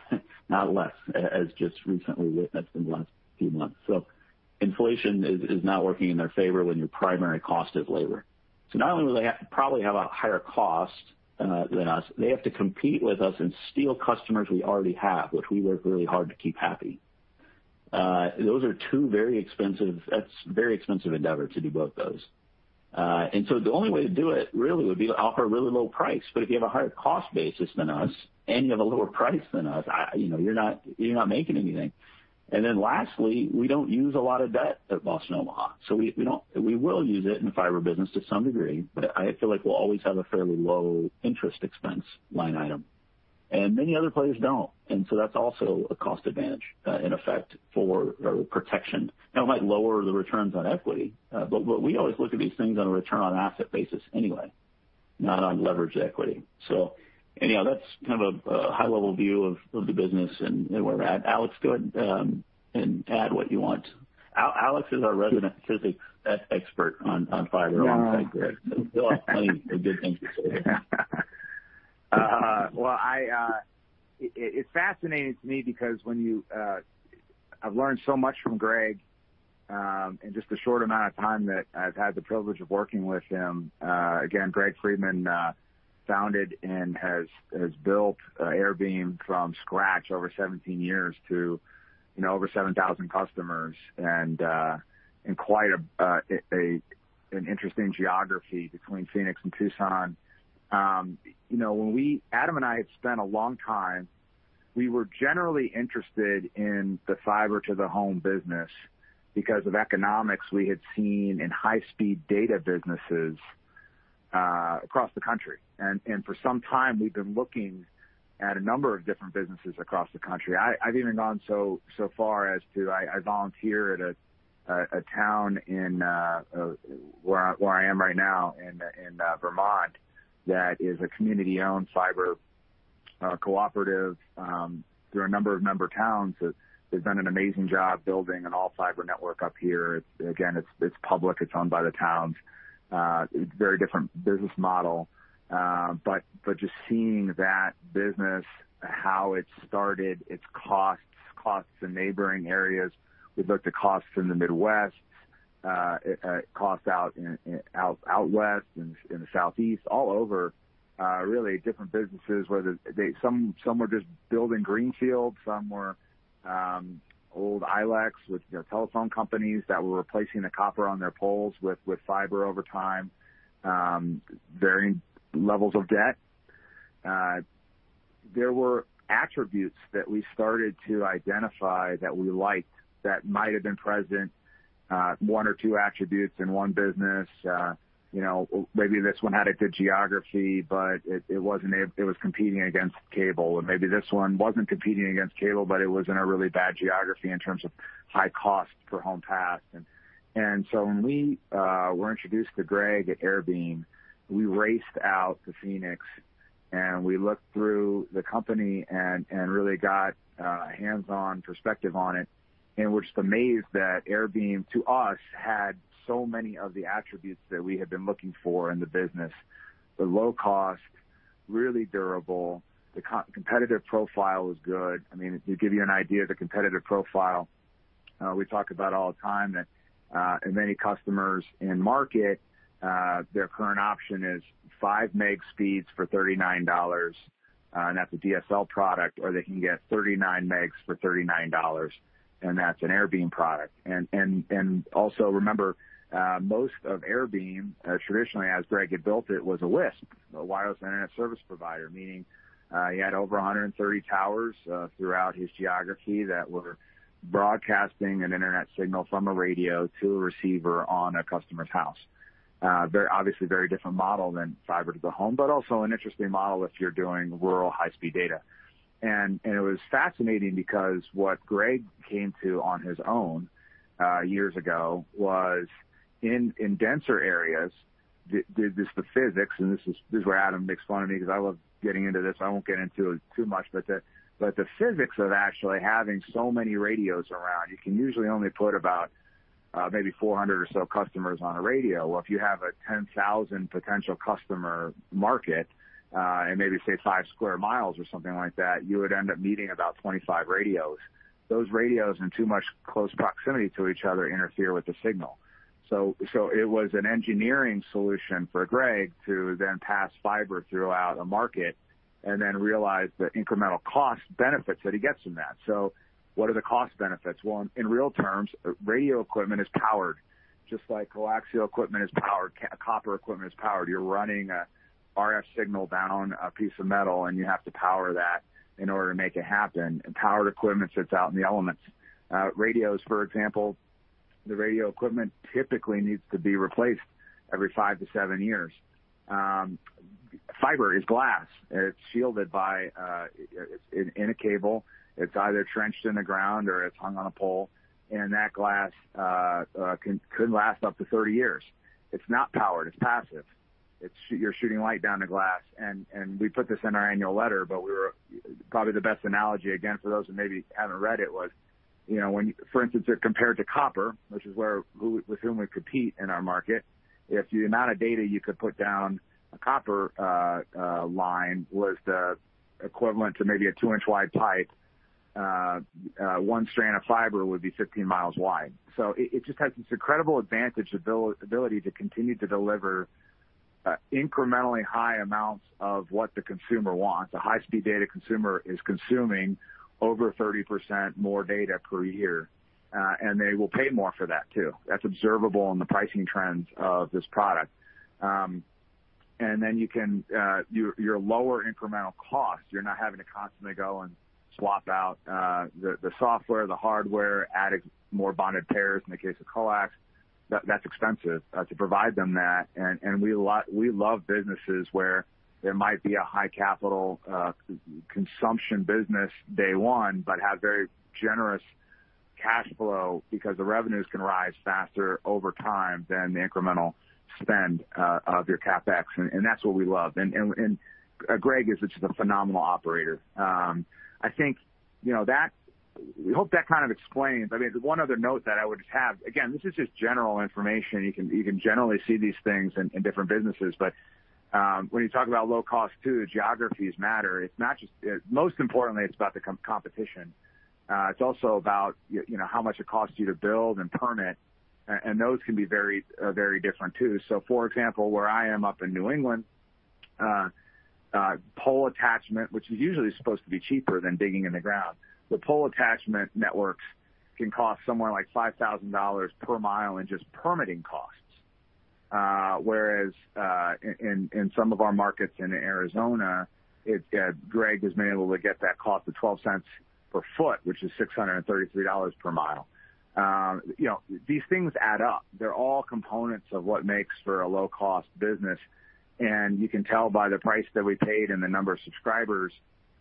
Speaker 3: not less, as just recently witnessed in the last few months. Inflation is not working in their favor when your primary cost is labor. Not only will they probably have a higher cost than us, they have to compete with us and steal customers we already have, which we work really hard to keep happy. Those are two very expensive, that's a very expensive endeavor to do both those. The only way to do it really would be to offer a really low price. If you have a higher cost basis than us and you have a lower price than us, you're not making anything. Lastly, we don't use a lot of debt at Boston Omaha. We will use it in the fiber business to some degree, but I feel like we'll always have a fairly low interest expense line item. Many other players don't. That's also a cost advantage in effect for protection. It might lower the returns on equity, but we always look at these things on a return on asset basis anyway, not on leveraged equity. Anyhow, that's kind of a high-level view of the business and where we're at. Alex, go ahead and add what you want. Alex is our resident physics expert on fiber alongside Greg. There are a lot of funny and good things to say here.
Speaker 2: It is fascinating to me because I have learned so much from Greg in just the short amount of time that I have had the privilege of working with him. Again, Greg Friedman founded and has built AireBeam from scratch over 17 years to over 7,000 customers and quite an interesting geography between Phoenix and Tucson. When Adam and I had spent a long time, we were generally interested in the fiber-to-the-home business because of economics we had seen in high-speed data businesses across the country. For some time, we have been looking at a number of different businesses across the country. I've even gone so far as to volunteer at a town where I am right now in Vermont that is a community-owned fiber cooperative through a number of member towns. They've done an amazing job building an all-fiber network up here. Again, it's public. It's owned by the towns. It's a very different business model. Just seeing that business, how it started, its costs, costs in neighboring areas. We've looked at costs in the Midwest, costs out West and the Southeast, all over, really different businesses where some were just building greenfield, some were old ILECs with telephone companies that were replacing the copper on their poles with fiber over time, varying levels of debt. There were attributes that we started to identify that we liked that might have been present, one or two attributes in one business. Maybe this one had a good geography, but it was competing against cable. Maybe this one was not competing against cable, but it was in a really bad geography in terms of high cost for home paths. When we were introduced to Greg at AireBeam, we raced out to Phoenix. We looked through the company and really got a hands-on perspective on it, in which the maze that AireBeam, to us, had so many of the attributes that we had been looking for in the business. The low cost, really durable, the competitive profile was good. I mean, to give you an idea of the competitive profile, we talk about all the time that many customers in market, their current option is 5 meg speeds for $39. That is a DSL product, or they can get 39 Megs for $39. That is an AireBeam product. Also, remember, most of AireBeam, traditionally, as Greg had built it, was a WISP, a wireless internet service provider, meaning he had over 130 towers throughout his geography that were broadcasting an internet signal from a radio to a receiver on a customer's house. Obviously, a very different model than fiber-to-the-home, but also an interesting model if you're doing rural high-speed data. It was fascinating because what Greg came to on his own years ago was in denser areas, this is the physics, and this is where Adam makes fun of me because I love getting into this. I won't get into it too much. The physics of actually having so many radios around, you can usually only put about maybe 400 or so customers on a radio. If you have a 10,000 potential customer market and maybe say five sq mi or something like that, you would end up needing about 25 radios. Those radios in too much close proximity to each other interfere with the signal. It was an engineering solution for Greg to then pass fiber throughout a market and then realize the incremental cost benefits that he gets from that. What are the cost benefits? In real terms, radio equipment is powered, just like coaxial equipment is powered, copper equipment is powered. You're running an RF signal down a piece of metal, and you have to power that in order to make it happen. Powered equipment sits out in the elements. Radios, for example, the radio equipment typically needs to be replaced every five to seven years. Fiber is glass. It's shielded by in a cable. It's either trenched in the ground or it's hung on a pole. That glass could last up to 30 years. It's not powered. It's passive. You're shooting light down the glass. We put this in our annual letter, but probably the best analogy, again, for those who maybe haven't read it, was when you, for instance, compared to copper, which is with whom we compete in our market, if the amount of data you could put down a copper line was the equivalent to maybe a 2-inch wide pipe, one strand of fiber would be 15 mi wide. It just has this incredible advantage of ability to continue to deliver incrementally high amounts of what the consumer wants. A high-speed data consumer is consuming over 30% more data per year. They will pay more for that too. That's observable in the pricing trends of this product. You can have your lower incremental cost, you're not having to constantly go and swap out the software, the hardware, adding more bonded pairs in the case of coax. That's expensive to provide them that. We love businesses where there might be a high capital consumption business day one, but have very generous cash flow because the revenues can rise faster over time than the incremental spend of your CapEx. That's what we love. Greg is just a phenomenal operator. I think that we hope that kind of explains. I mean, one other note that I would just have, again, this is just general information. You can generally see these things in different businesses. When you talk about low cost too, the geographies matter. It's not just most importantly, it's about the competition. It's also about how much it costs you to build and permit. Those can be very, very different too. For example, where I am up in New England, pole attachment, which is usually supposed to be cheaper than digging in the ground, the pole attachment networks can cost somewhere like $5,000 per mi in just permitting costs. Whereas in some of our markets in Arizona, Greg has been able to get that cost of 12 cents per ft, which is $633 per mi. These things add up. They are all components of what makes for a low-cost business. You can tell by the price that we paid and the number of subscribers,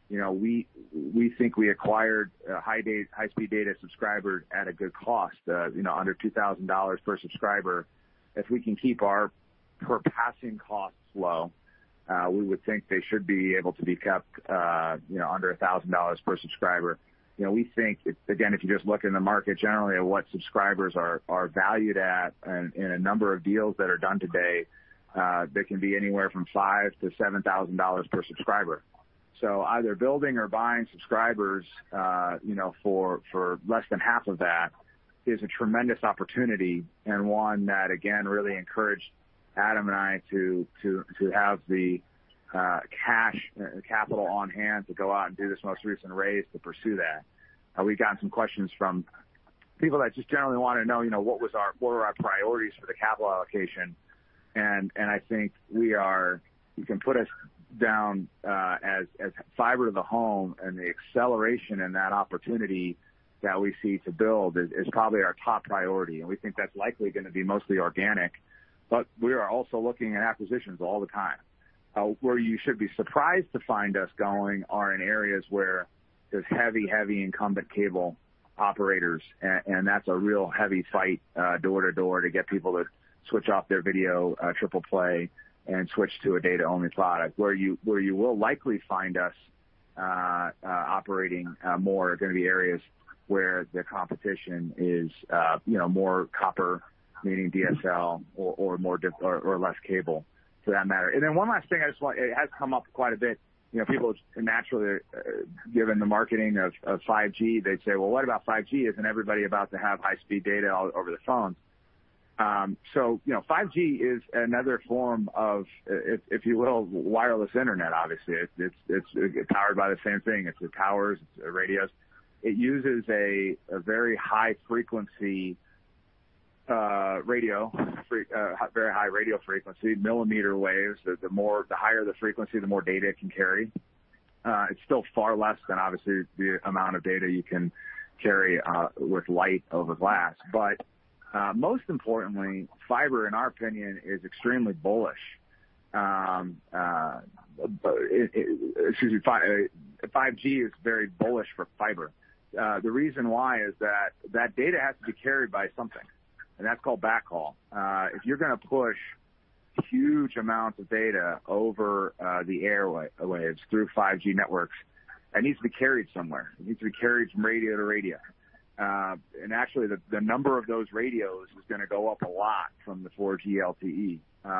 Speaker 2: we think we acquired high-speed data subscribers at a good cost, under $2,000 per subscriber. If we can keep our per-passing costs low, we would think they should be able to be kept under $1,000 per subscriber. We think, again, if you just look in the market generally at what subscribers are valued at in a number of deals that are done today, they can be anywhere from $5,000-$7,000 per subscriber. Either building or buying subscribers for less than half of that is a tremendous opportunity and one that, again, really encouraged Adam and I to have the cash capital on hand to go out and do this most recent raise to pursue that. We've gotten some questions from people that just generally want to know what were our priorities for the capital allocation. I think we are, you can put us down as fiber-to-the-home and the acceleration in that opportunity that we see to build is probably our top priority. We think that's likely going to be mostly organic. We are also looking at acquisitions all the time. Where you should be surprised to find us going are in areas where there's heavy, heavy incumbent cable operators. That's a real heavy fight door-to-door to get people to switch off their video triple play and switch to a data-only product. Where you will likely find us operating more are going to be areas where the competition is more copper, meaning DSL, or less cable for that matter. One last thing I just want, it has come up quite a bit. People naturally, given the marketing of 5G, they say, "Well, what about 5G? Isn't everybody about to have high-speed data over the phones?" 5G is another form of, if you will, wireless internet, obviously. It's powered by the same thing. It's the towers, it's the radios. It uses a very high-frequency radio, very high radio frequency, mm waves. The higher the frequency, the more data it can carry. It's still far less than, obviously, the amount of data you can carry with light over glass. Most importantly, fiber, in our opinion, is extremely bullish. Excuse me. 5G is very bullish for fiber. The reason why is that that data has to be carried by something. That's called backhaul. If you're going to push huge amounts of data over the airwaves through 5G networks, it needs to be carried somewhere. It needs to be carried from radio to radio. Actually, the number of those radios is going to go up a lot from the 4G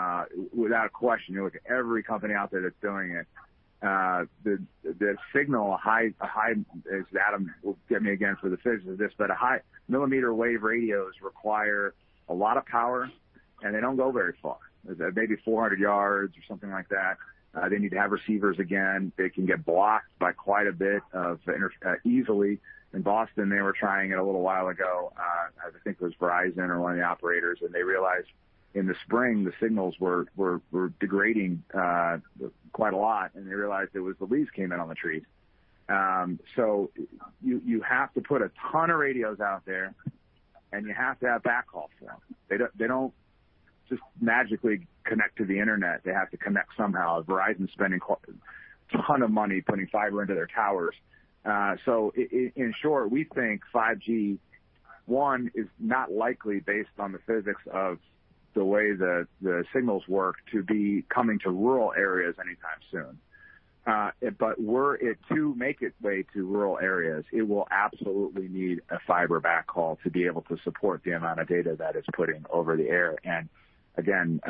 Speaker 2: LTE, without a question. You look at every company out there that's doing it. The signal, a high—Adam will get me again for the physics of this—but a high mm wave radios require a lot of power, and they do not go very far. Maybe 400 yards or something like that. They need to have receivers again. They can get blocked by quite a bit of easily. In Boston, they were trying it a little while ago. I think it was Verizon or one of the operators. They realized in the spring, the signals were degrading quite a lot. They realized it was the leaves came in on the trees. You have to put a ton of radios out there, and you have to have backhaul for them. They do not just magically connect to the internet. They have to connect somehow. Verizon's spending a ton of money putting fiber into their towers. In short, we think 5G, one, is not likely based on the physics of the way the signals work to be coming to rural areas anytime soon. Were it to make its way to rural areas, it will absolutely need a fiber backhaul to be able to support the amount of data that it's putting over the air. Again,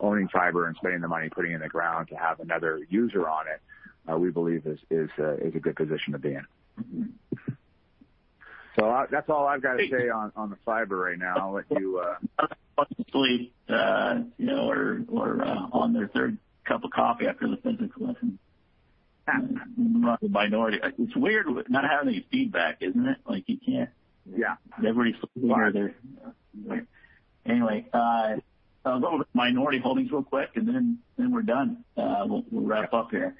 Speaker 2: owning fiber and spending the money putting it in the ground to have another user on it, we believe is a good position to be in. That's all I've got to say on the fiber right now. I'll let you.
Speaker 3: Obviously, or on their third cup of coffee after the physics lesson. Minority. It's weird not having any feedback, isn't it? You can't—
Speaker 2: Yeah. Everybody's farther there.
Speaker 3: Anyway, a little minority holdings real quick, and then we're done. We'll wrap up here.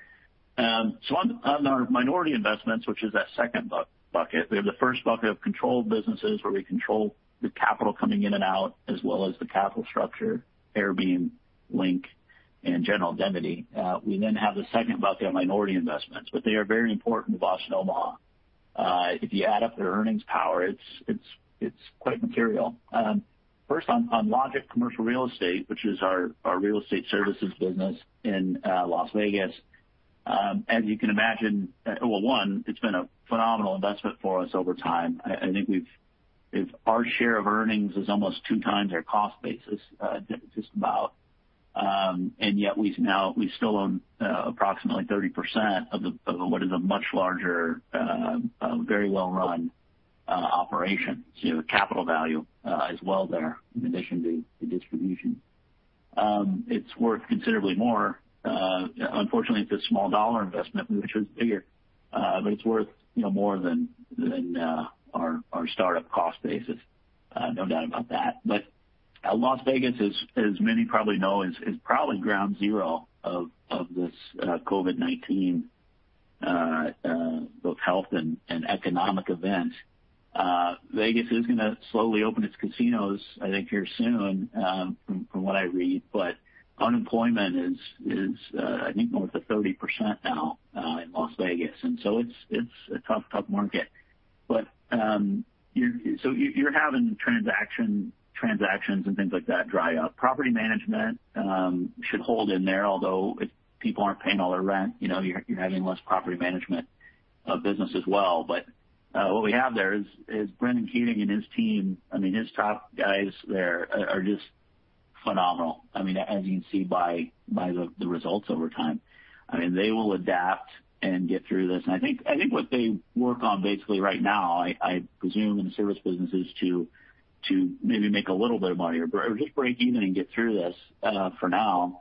Speaker 3: On our minority investments, which is that second bucket, we have the first bucket of controlled businesses where we control the capital coming in and out as well as the capital structure, AireBeam, Link, and General Indemnity. We then have the second bucket of minority investments, but they are very important to Boston Omaha. If you add up their earnings power, it's quite material. First, on LOGIC Commercial Real Estate, which is our real estate services business in Las Vegas, as you can imagine, one, it's been a phenomenal investment for us over time. I think our share of earnings is almost two times our cost basis, just about. Yet we still own approximately 30% of what is a much larger, very well-run operation. Capital value is well there in addition to distribution. It's worth considerably more. Unfortunately, it's a small dollar investment, which is bigger. It is worth more than our startup cost basis. No doubt about that. Las Vegas, as many probably know, is probably ground zero of this COVID-19, both health and economic event. Vegas is going to slowly open its casinos, I think, here soon, from what I read. Unemployment is, I think, of 30% now in Las Vegas. It is a tough, tough market. You are having transactions and things like that dry up. Property management should hold in there, although if people are not paying all their rent, you are having less property management business as well. What we have there is Brendan Keating and his team. His top guys there are just phenomenal, as you can see by the results over time. They will adapt and get through this. I think what they work on basically right now, I presume, in the service business is to maybe make a little bit of money or just break even and get through this for now.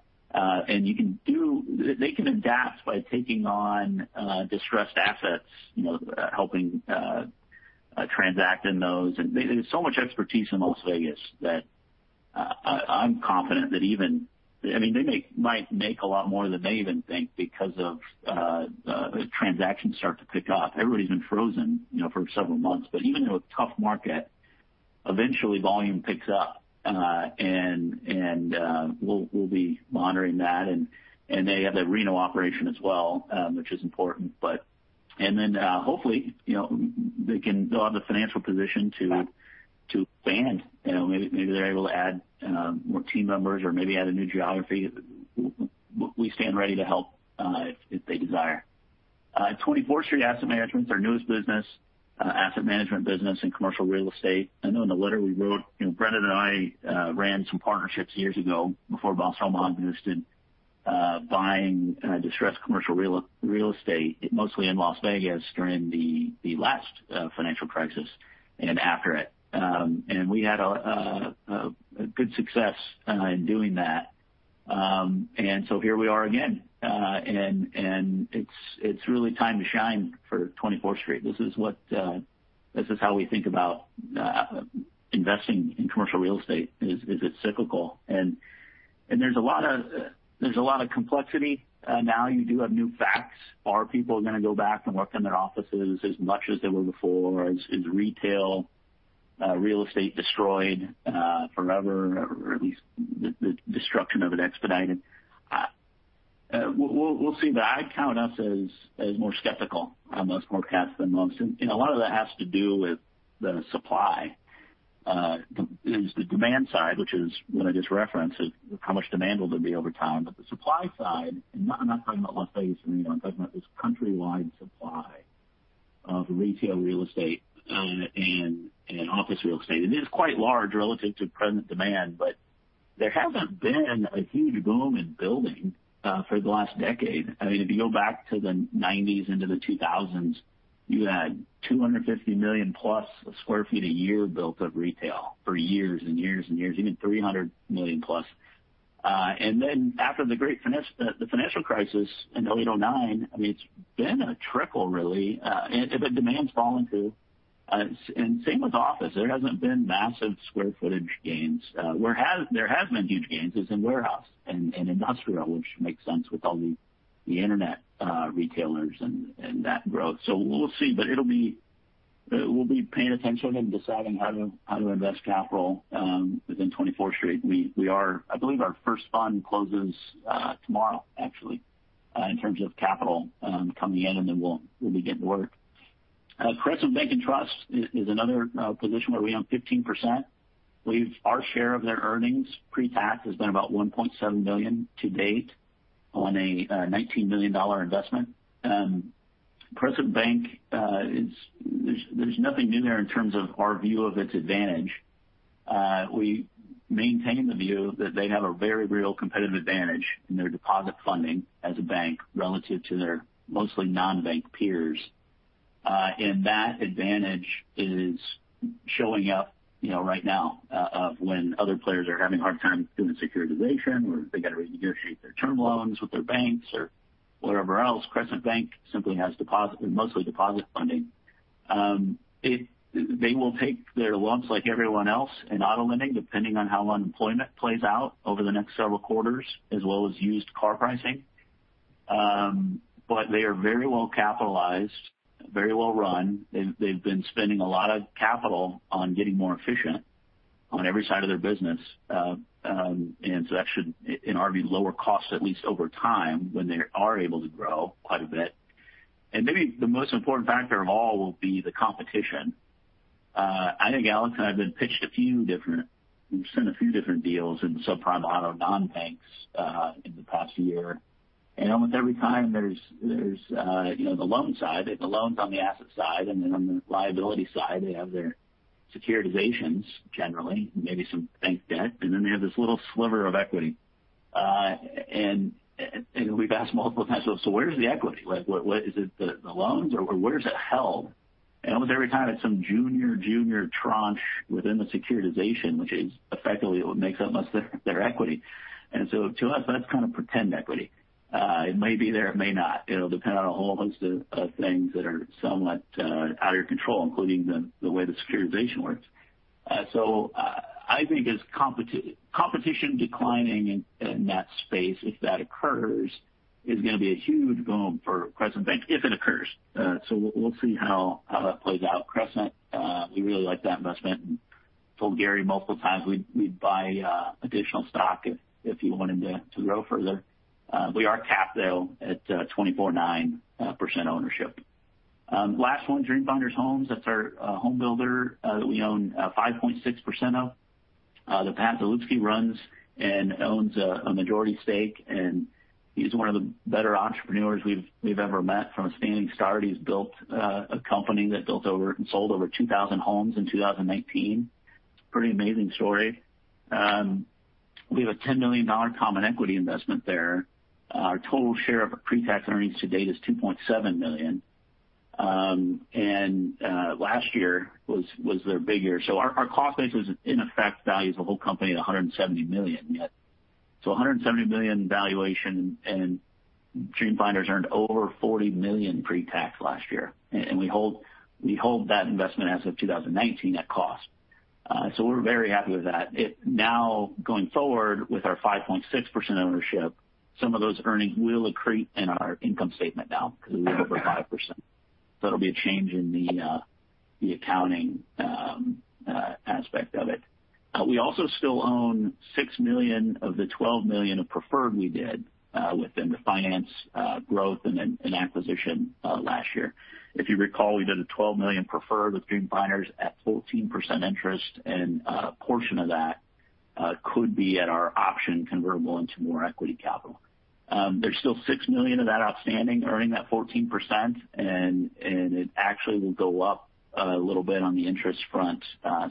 Speaker 3: You can do, they can adapt by taking on distressed assets, helping transact in those. There is so much expertise in Las Vegas that I'm confident that even—I mean, they might make a lot more than they even think because if transactions start to pick up. Everybody's been frozen for several months. Even in a tough market, eventually volume picks up. We will be monitoring that. They have the Reno operation as well, which is important. Hopefully, they can go out of the financial position to expand. Maybe they're able to add more team members or maybe add a new geography. We stand ready to help if they desire. 24th Street Asset Management is our newest business, asset management business in commercial real estate. I know in the letter we wrote, Brendan and I ran some partnerships years ago before Boston Omaha existed, buying distressed commercial real estate, mostly in Las Vegas during the last financial crisis and after it. We had good success in doing that. Here we are again. It is really time to shine for 24th Street. This is how we think about investing in commercial real estate: it is cyclical. There is a lot of complexity now. You do have new facts. Are people going to go back and work in their offices as much as they were before? Is retail real estate destroyed forever, or at least the destruction of it expedited? We will see. I count us as more skeptical on those forecasts than most. A lot of that has to do with the supply. There's the demand side, which is what I just referenced, of how much demand will there be over time. The supply side, and I'm not talking about Las Vegas and Reno, I'm talking about this countrywide supply of retail real estate and office real estate. It is quite large relative to present demand, but there hasn't been a huge boom in building for the last decade. I mean, if you go back to the 1990s into the 2000s, you had 250 million-plus sq ft a year built of retail for years and years and years, even 300 million-plus. After the financial crisis in 2008, 2009, I mean, it's been a trickle, really. If the demand's fallen through, and same with office, there hasn't been massive square footage gains. Where there has been huge gains is in warehouse and industrial, which makes sense with all the internet retailers and that growth. We'll see. We'll be paying attention and deciding how to invest capital within 24th Street. I believe our first fund closes tomorrow, actually, in terms of capital coming in, and then we'll begin to work. Crescent Bank & Trust is another position where we own 15%. Our share of their earnings pre-tax has been about $1.7 million to date on a $19 million investment. Crescent Bank, there's nothing new there in terms of our view of its advantage. We maintain the view that they have a very real competitive advantage in their deposit funding as a bank relative to their mostly non-bank peers. That advantage is showing up right now when other players are having a hard time doing securitization or they have to renegotiate their term loans with their banks or whatever else. Crescent Bank simply has mostly deposit funding. They will take their loans like everyone else in auto lending, depending on how unemployment plays out over the next several quarters, as well as used car pricing. They are very well capitalized, very well run. They have been spending a lot of capital on getting more efficient on every side of their business. That should, in our view, lower costs at least over time when they are able to grow quite a bit. Maybe the most important factor of all will be the competition. I think Alex and I have been pitched a few different—we've sent a few different deals in subprime auto non-banks in the past year. Almost every time, there's the loan side. They have the loans on the asset side. On the liability side, they have their securitizations, generally, maybe some bank debt. They have this little sliver of equity. We've asked multiple times, "So where's the equity? Is it the loans? Or where's it held?" Almost every time, it's some junior, junior tranche within the securitization, which is effectively what makes up most of their equity. To us, that's kind of pretend equity. It may be there. It may not. It'll depend on a whole host of things that are somewhat out of your control, including the way the securitization works. I think competition declining in that space, if that occurs, is going to be a huge boon for Crescent Bank if it occurs. We'll see how that plays out. Crescent, we really like that investment. I told Gary multiple times we'd buy additional stock if he wanted to grow further. We are capped, though, at 24.9% ownership. Last one, Dream Finders Homes. That's our homebuilder that we own 5.6% of. The path that Zalupski runs and owns a majority stake. He's one of the better entrepreneurs we've ever met. From a standing start, he's built a company that sold over 2,000 homes in 2019. Pretty amazing story. We have a $10 million common equity investment there. Our total share of our pre-tax earnings to date is $2.7 million. Last year was their big year. Our cost basis, in effect, values the whole company at $170 million. A $170 million valuation, and Dream Finders earned over $40 million pre-tax last year. We hold that investment as of 2019 at cost. We're very happy with that. Now, going forward with our 5.6% ownership, some of those earnings will accrete in our income statement now because we have over 5%. It'll be a change in the accounting aspect of it. We also still own $6 million of the $12 million of preferred we did within the finance growth and acquisition last year. If you recall, we did a $12 million preferred with Dream Finders at 14% interest. A portion of that could be at our option convertible into more equity capital. There's still $6 million of that outstanding earning that 14%. It actually will go up a little bit on the interest front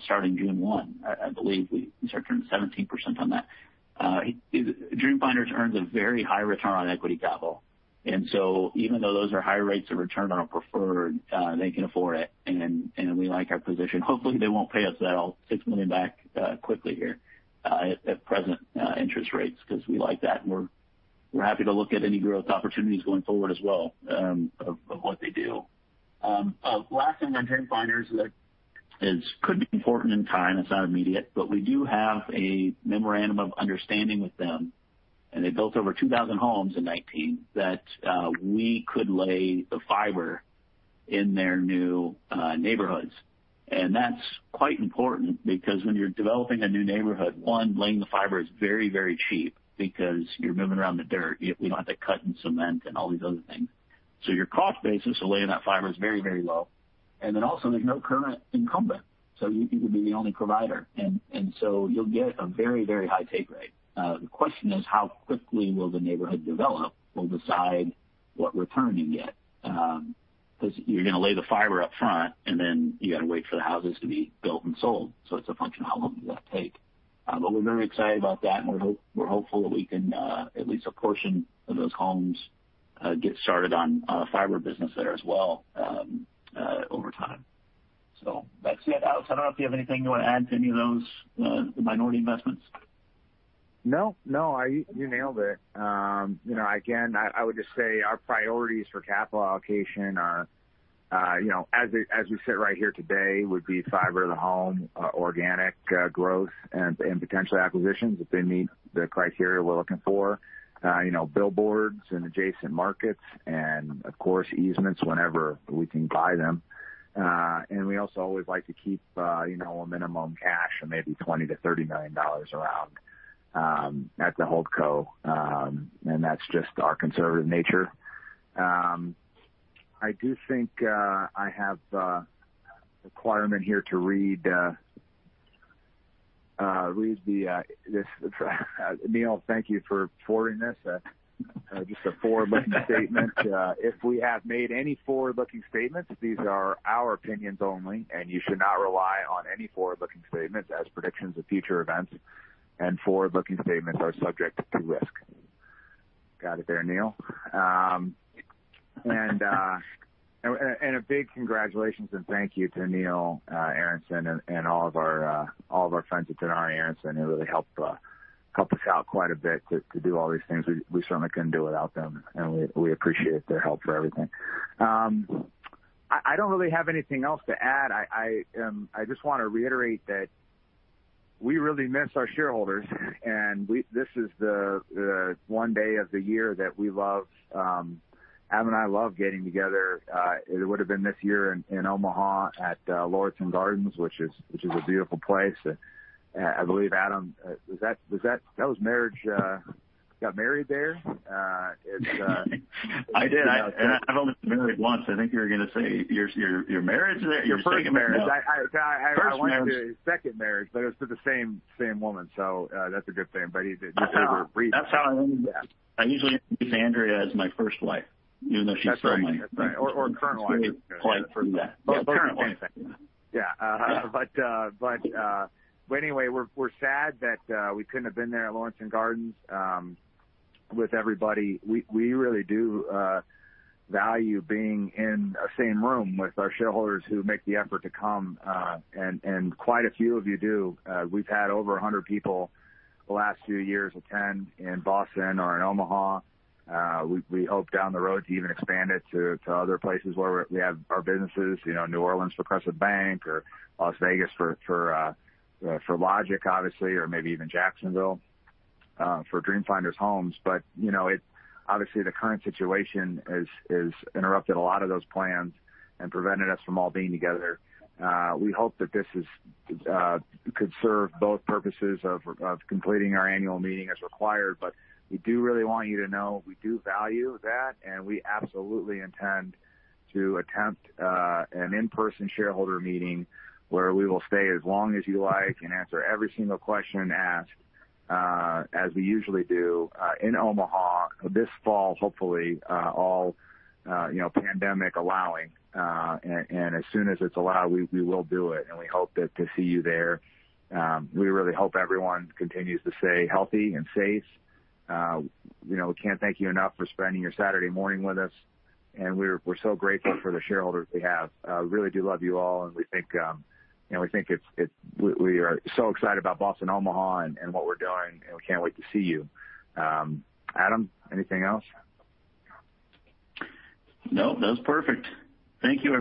Speaker 3: starting June 1. I believe we start turning 17% on that. Finders earns a very high return on equity capital. Even though those are high rates of return on a preferred, they can afford it. We like our position. Hopefully, they will not pay us that all $6 million back quickly here at present interest rates because we like that. We are happy to look at any growth opportunities going forward as well of what they do. Last thing on Dream Finders is that it could be important in time. It is not immediate. We do have a memorandum of understanding with them. They built over 2,000 homes in 2019 that we could lay the fiber in their new neighborhoods. That is quite important because when you are developing a new neighborhood, one, laying the fiber is very, very cheap because you are moving around the dirt. We do not have to cut and cement and all these other things. Your cost basis for laying that fiber is very, very low. Also, there's no current incumbent. You would be the only provider, so you'll get a very, very high take rate. The question is, how quickly will the neighborhood develop? That will decide what return you get because you're going to lay the fiber upfront, and then you have to wait for the houses to be built and sold. It is a function of how long that takes. We are very excited about that, and we are hopeful that we can at least get a portion of those homes started on a fiber business there as well over time. That is it, Alex. I do not know if you have anything you want to add to any of those minority investments.
Speaker 2: No, no. You nailed it. Again, I would just say our priorities for capital allocation are, as we sit right here today, would be fiber to the home, organic growth, and potentially acquisitions if they meet the criteria we're looking for, billboards and adjacent markets, and of course, easements whenever we can buy them. We also always like to keep a minimum cash of maybe $20 million-$30 million around at the HoldCo. That's just our conservative nature. I do think I have a requirement here to read this. Neil, thank you for forwarding this. Just a forward-looking statement. If we have made any forward-looking statements, these are our opinions only. You should not rely on any forward-looking statements as predictions of future events. Forward-looking statements are subject to risk. Got it there, Neil. A big congratulations and thank you to Neil Aronson and all of our friends at Gennari Aronson who really helped us out quite a bit to do all these things. We certainly couldn't do it without them. We appreciate their help for everything. I don't really have anything else to add. I just want to reiterate that we really miss our shareholders. This is the one day of the year that we love. Adam and I love getting together. It would have been this year in Omaha at Lauritzen Gardens, which is a beautiful place. I believe, Adam, that was marriage? Got married there?
Speaker 3: I did. I've only been married once. I think you were going to say your marriage? Your first marriage.
Speaker 2: I went to a second marriage, but it was to the same woman. That's a good thing. You favor a brief.
Speaker 3: That's how I usually use Andrea as my first wife, even though she's still my current wife.
Speaker 2: Yeah. Anyway, we're sad that we couldn't have been there at Lauritzen Gardens with everybody. We really do value being in the same room with our shareholders who make the effort to come. Quite a few of you do. We've had over 100 people the last few years attend in Boston or in Omaha. We hope down the road to even expand it to other places where we have our businesses, New Orleans for Crescent Bank or Las Vegas for LOGIC, obviously, or maybe even Jacksonville for Dream Finders Homes. Obviously, the current situation has interrupted a lot of those plans and prevented us from all being together. We hope that this could serve both purposes of completing our annual meeting as required. We do really want you to know we do value that. We absolutely intend to attempt an in-person shareholder meeting where we will stay as long as you like and answer every single question asked, as we usually do in Omaha this fall, hopefully, all pandemic allowing. As soon as it is allowed, we will do it. We hope to see you there. We really hope everyone continues to stay healthy and safe. We cannot thank you enough for spending your Saturday morning with us. We are so grateful for the shareholders we have. We really do love you all. We think we are so excited about Boston Omaha and what we are doing. We cannot wait to see you. Adam, anything else?
Speaker 3: No, that was perfect. Thank you.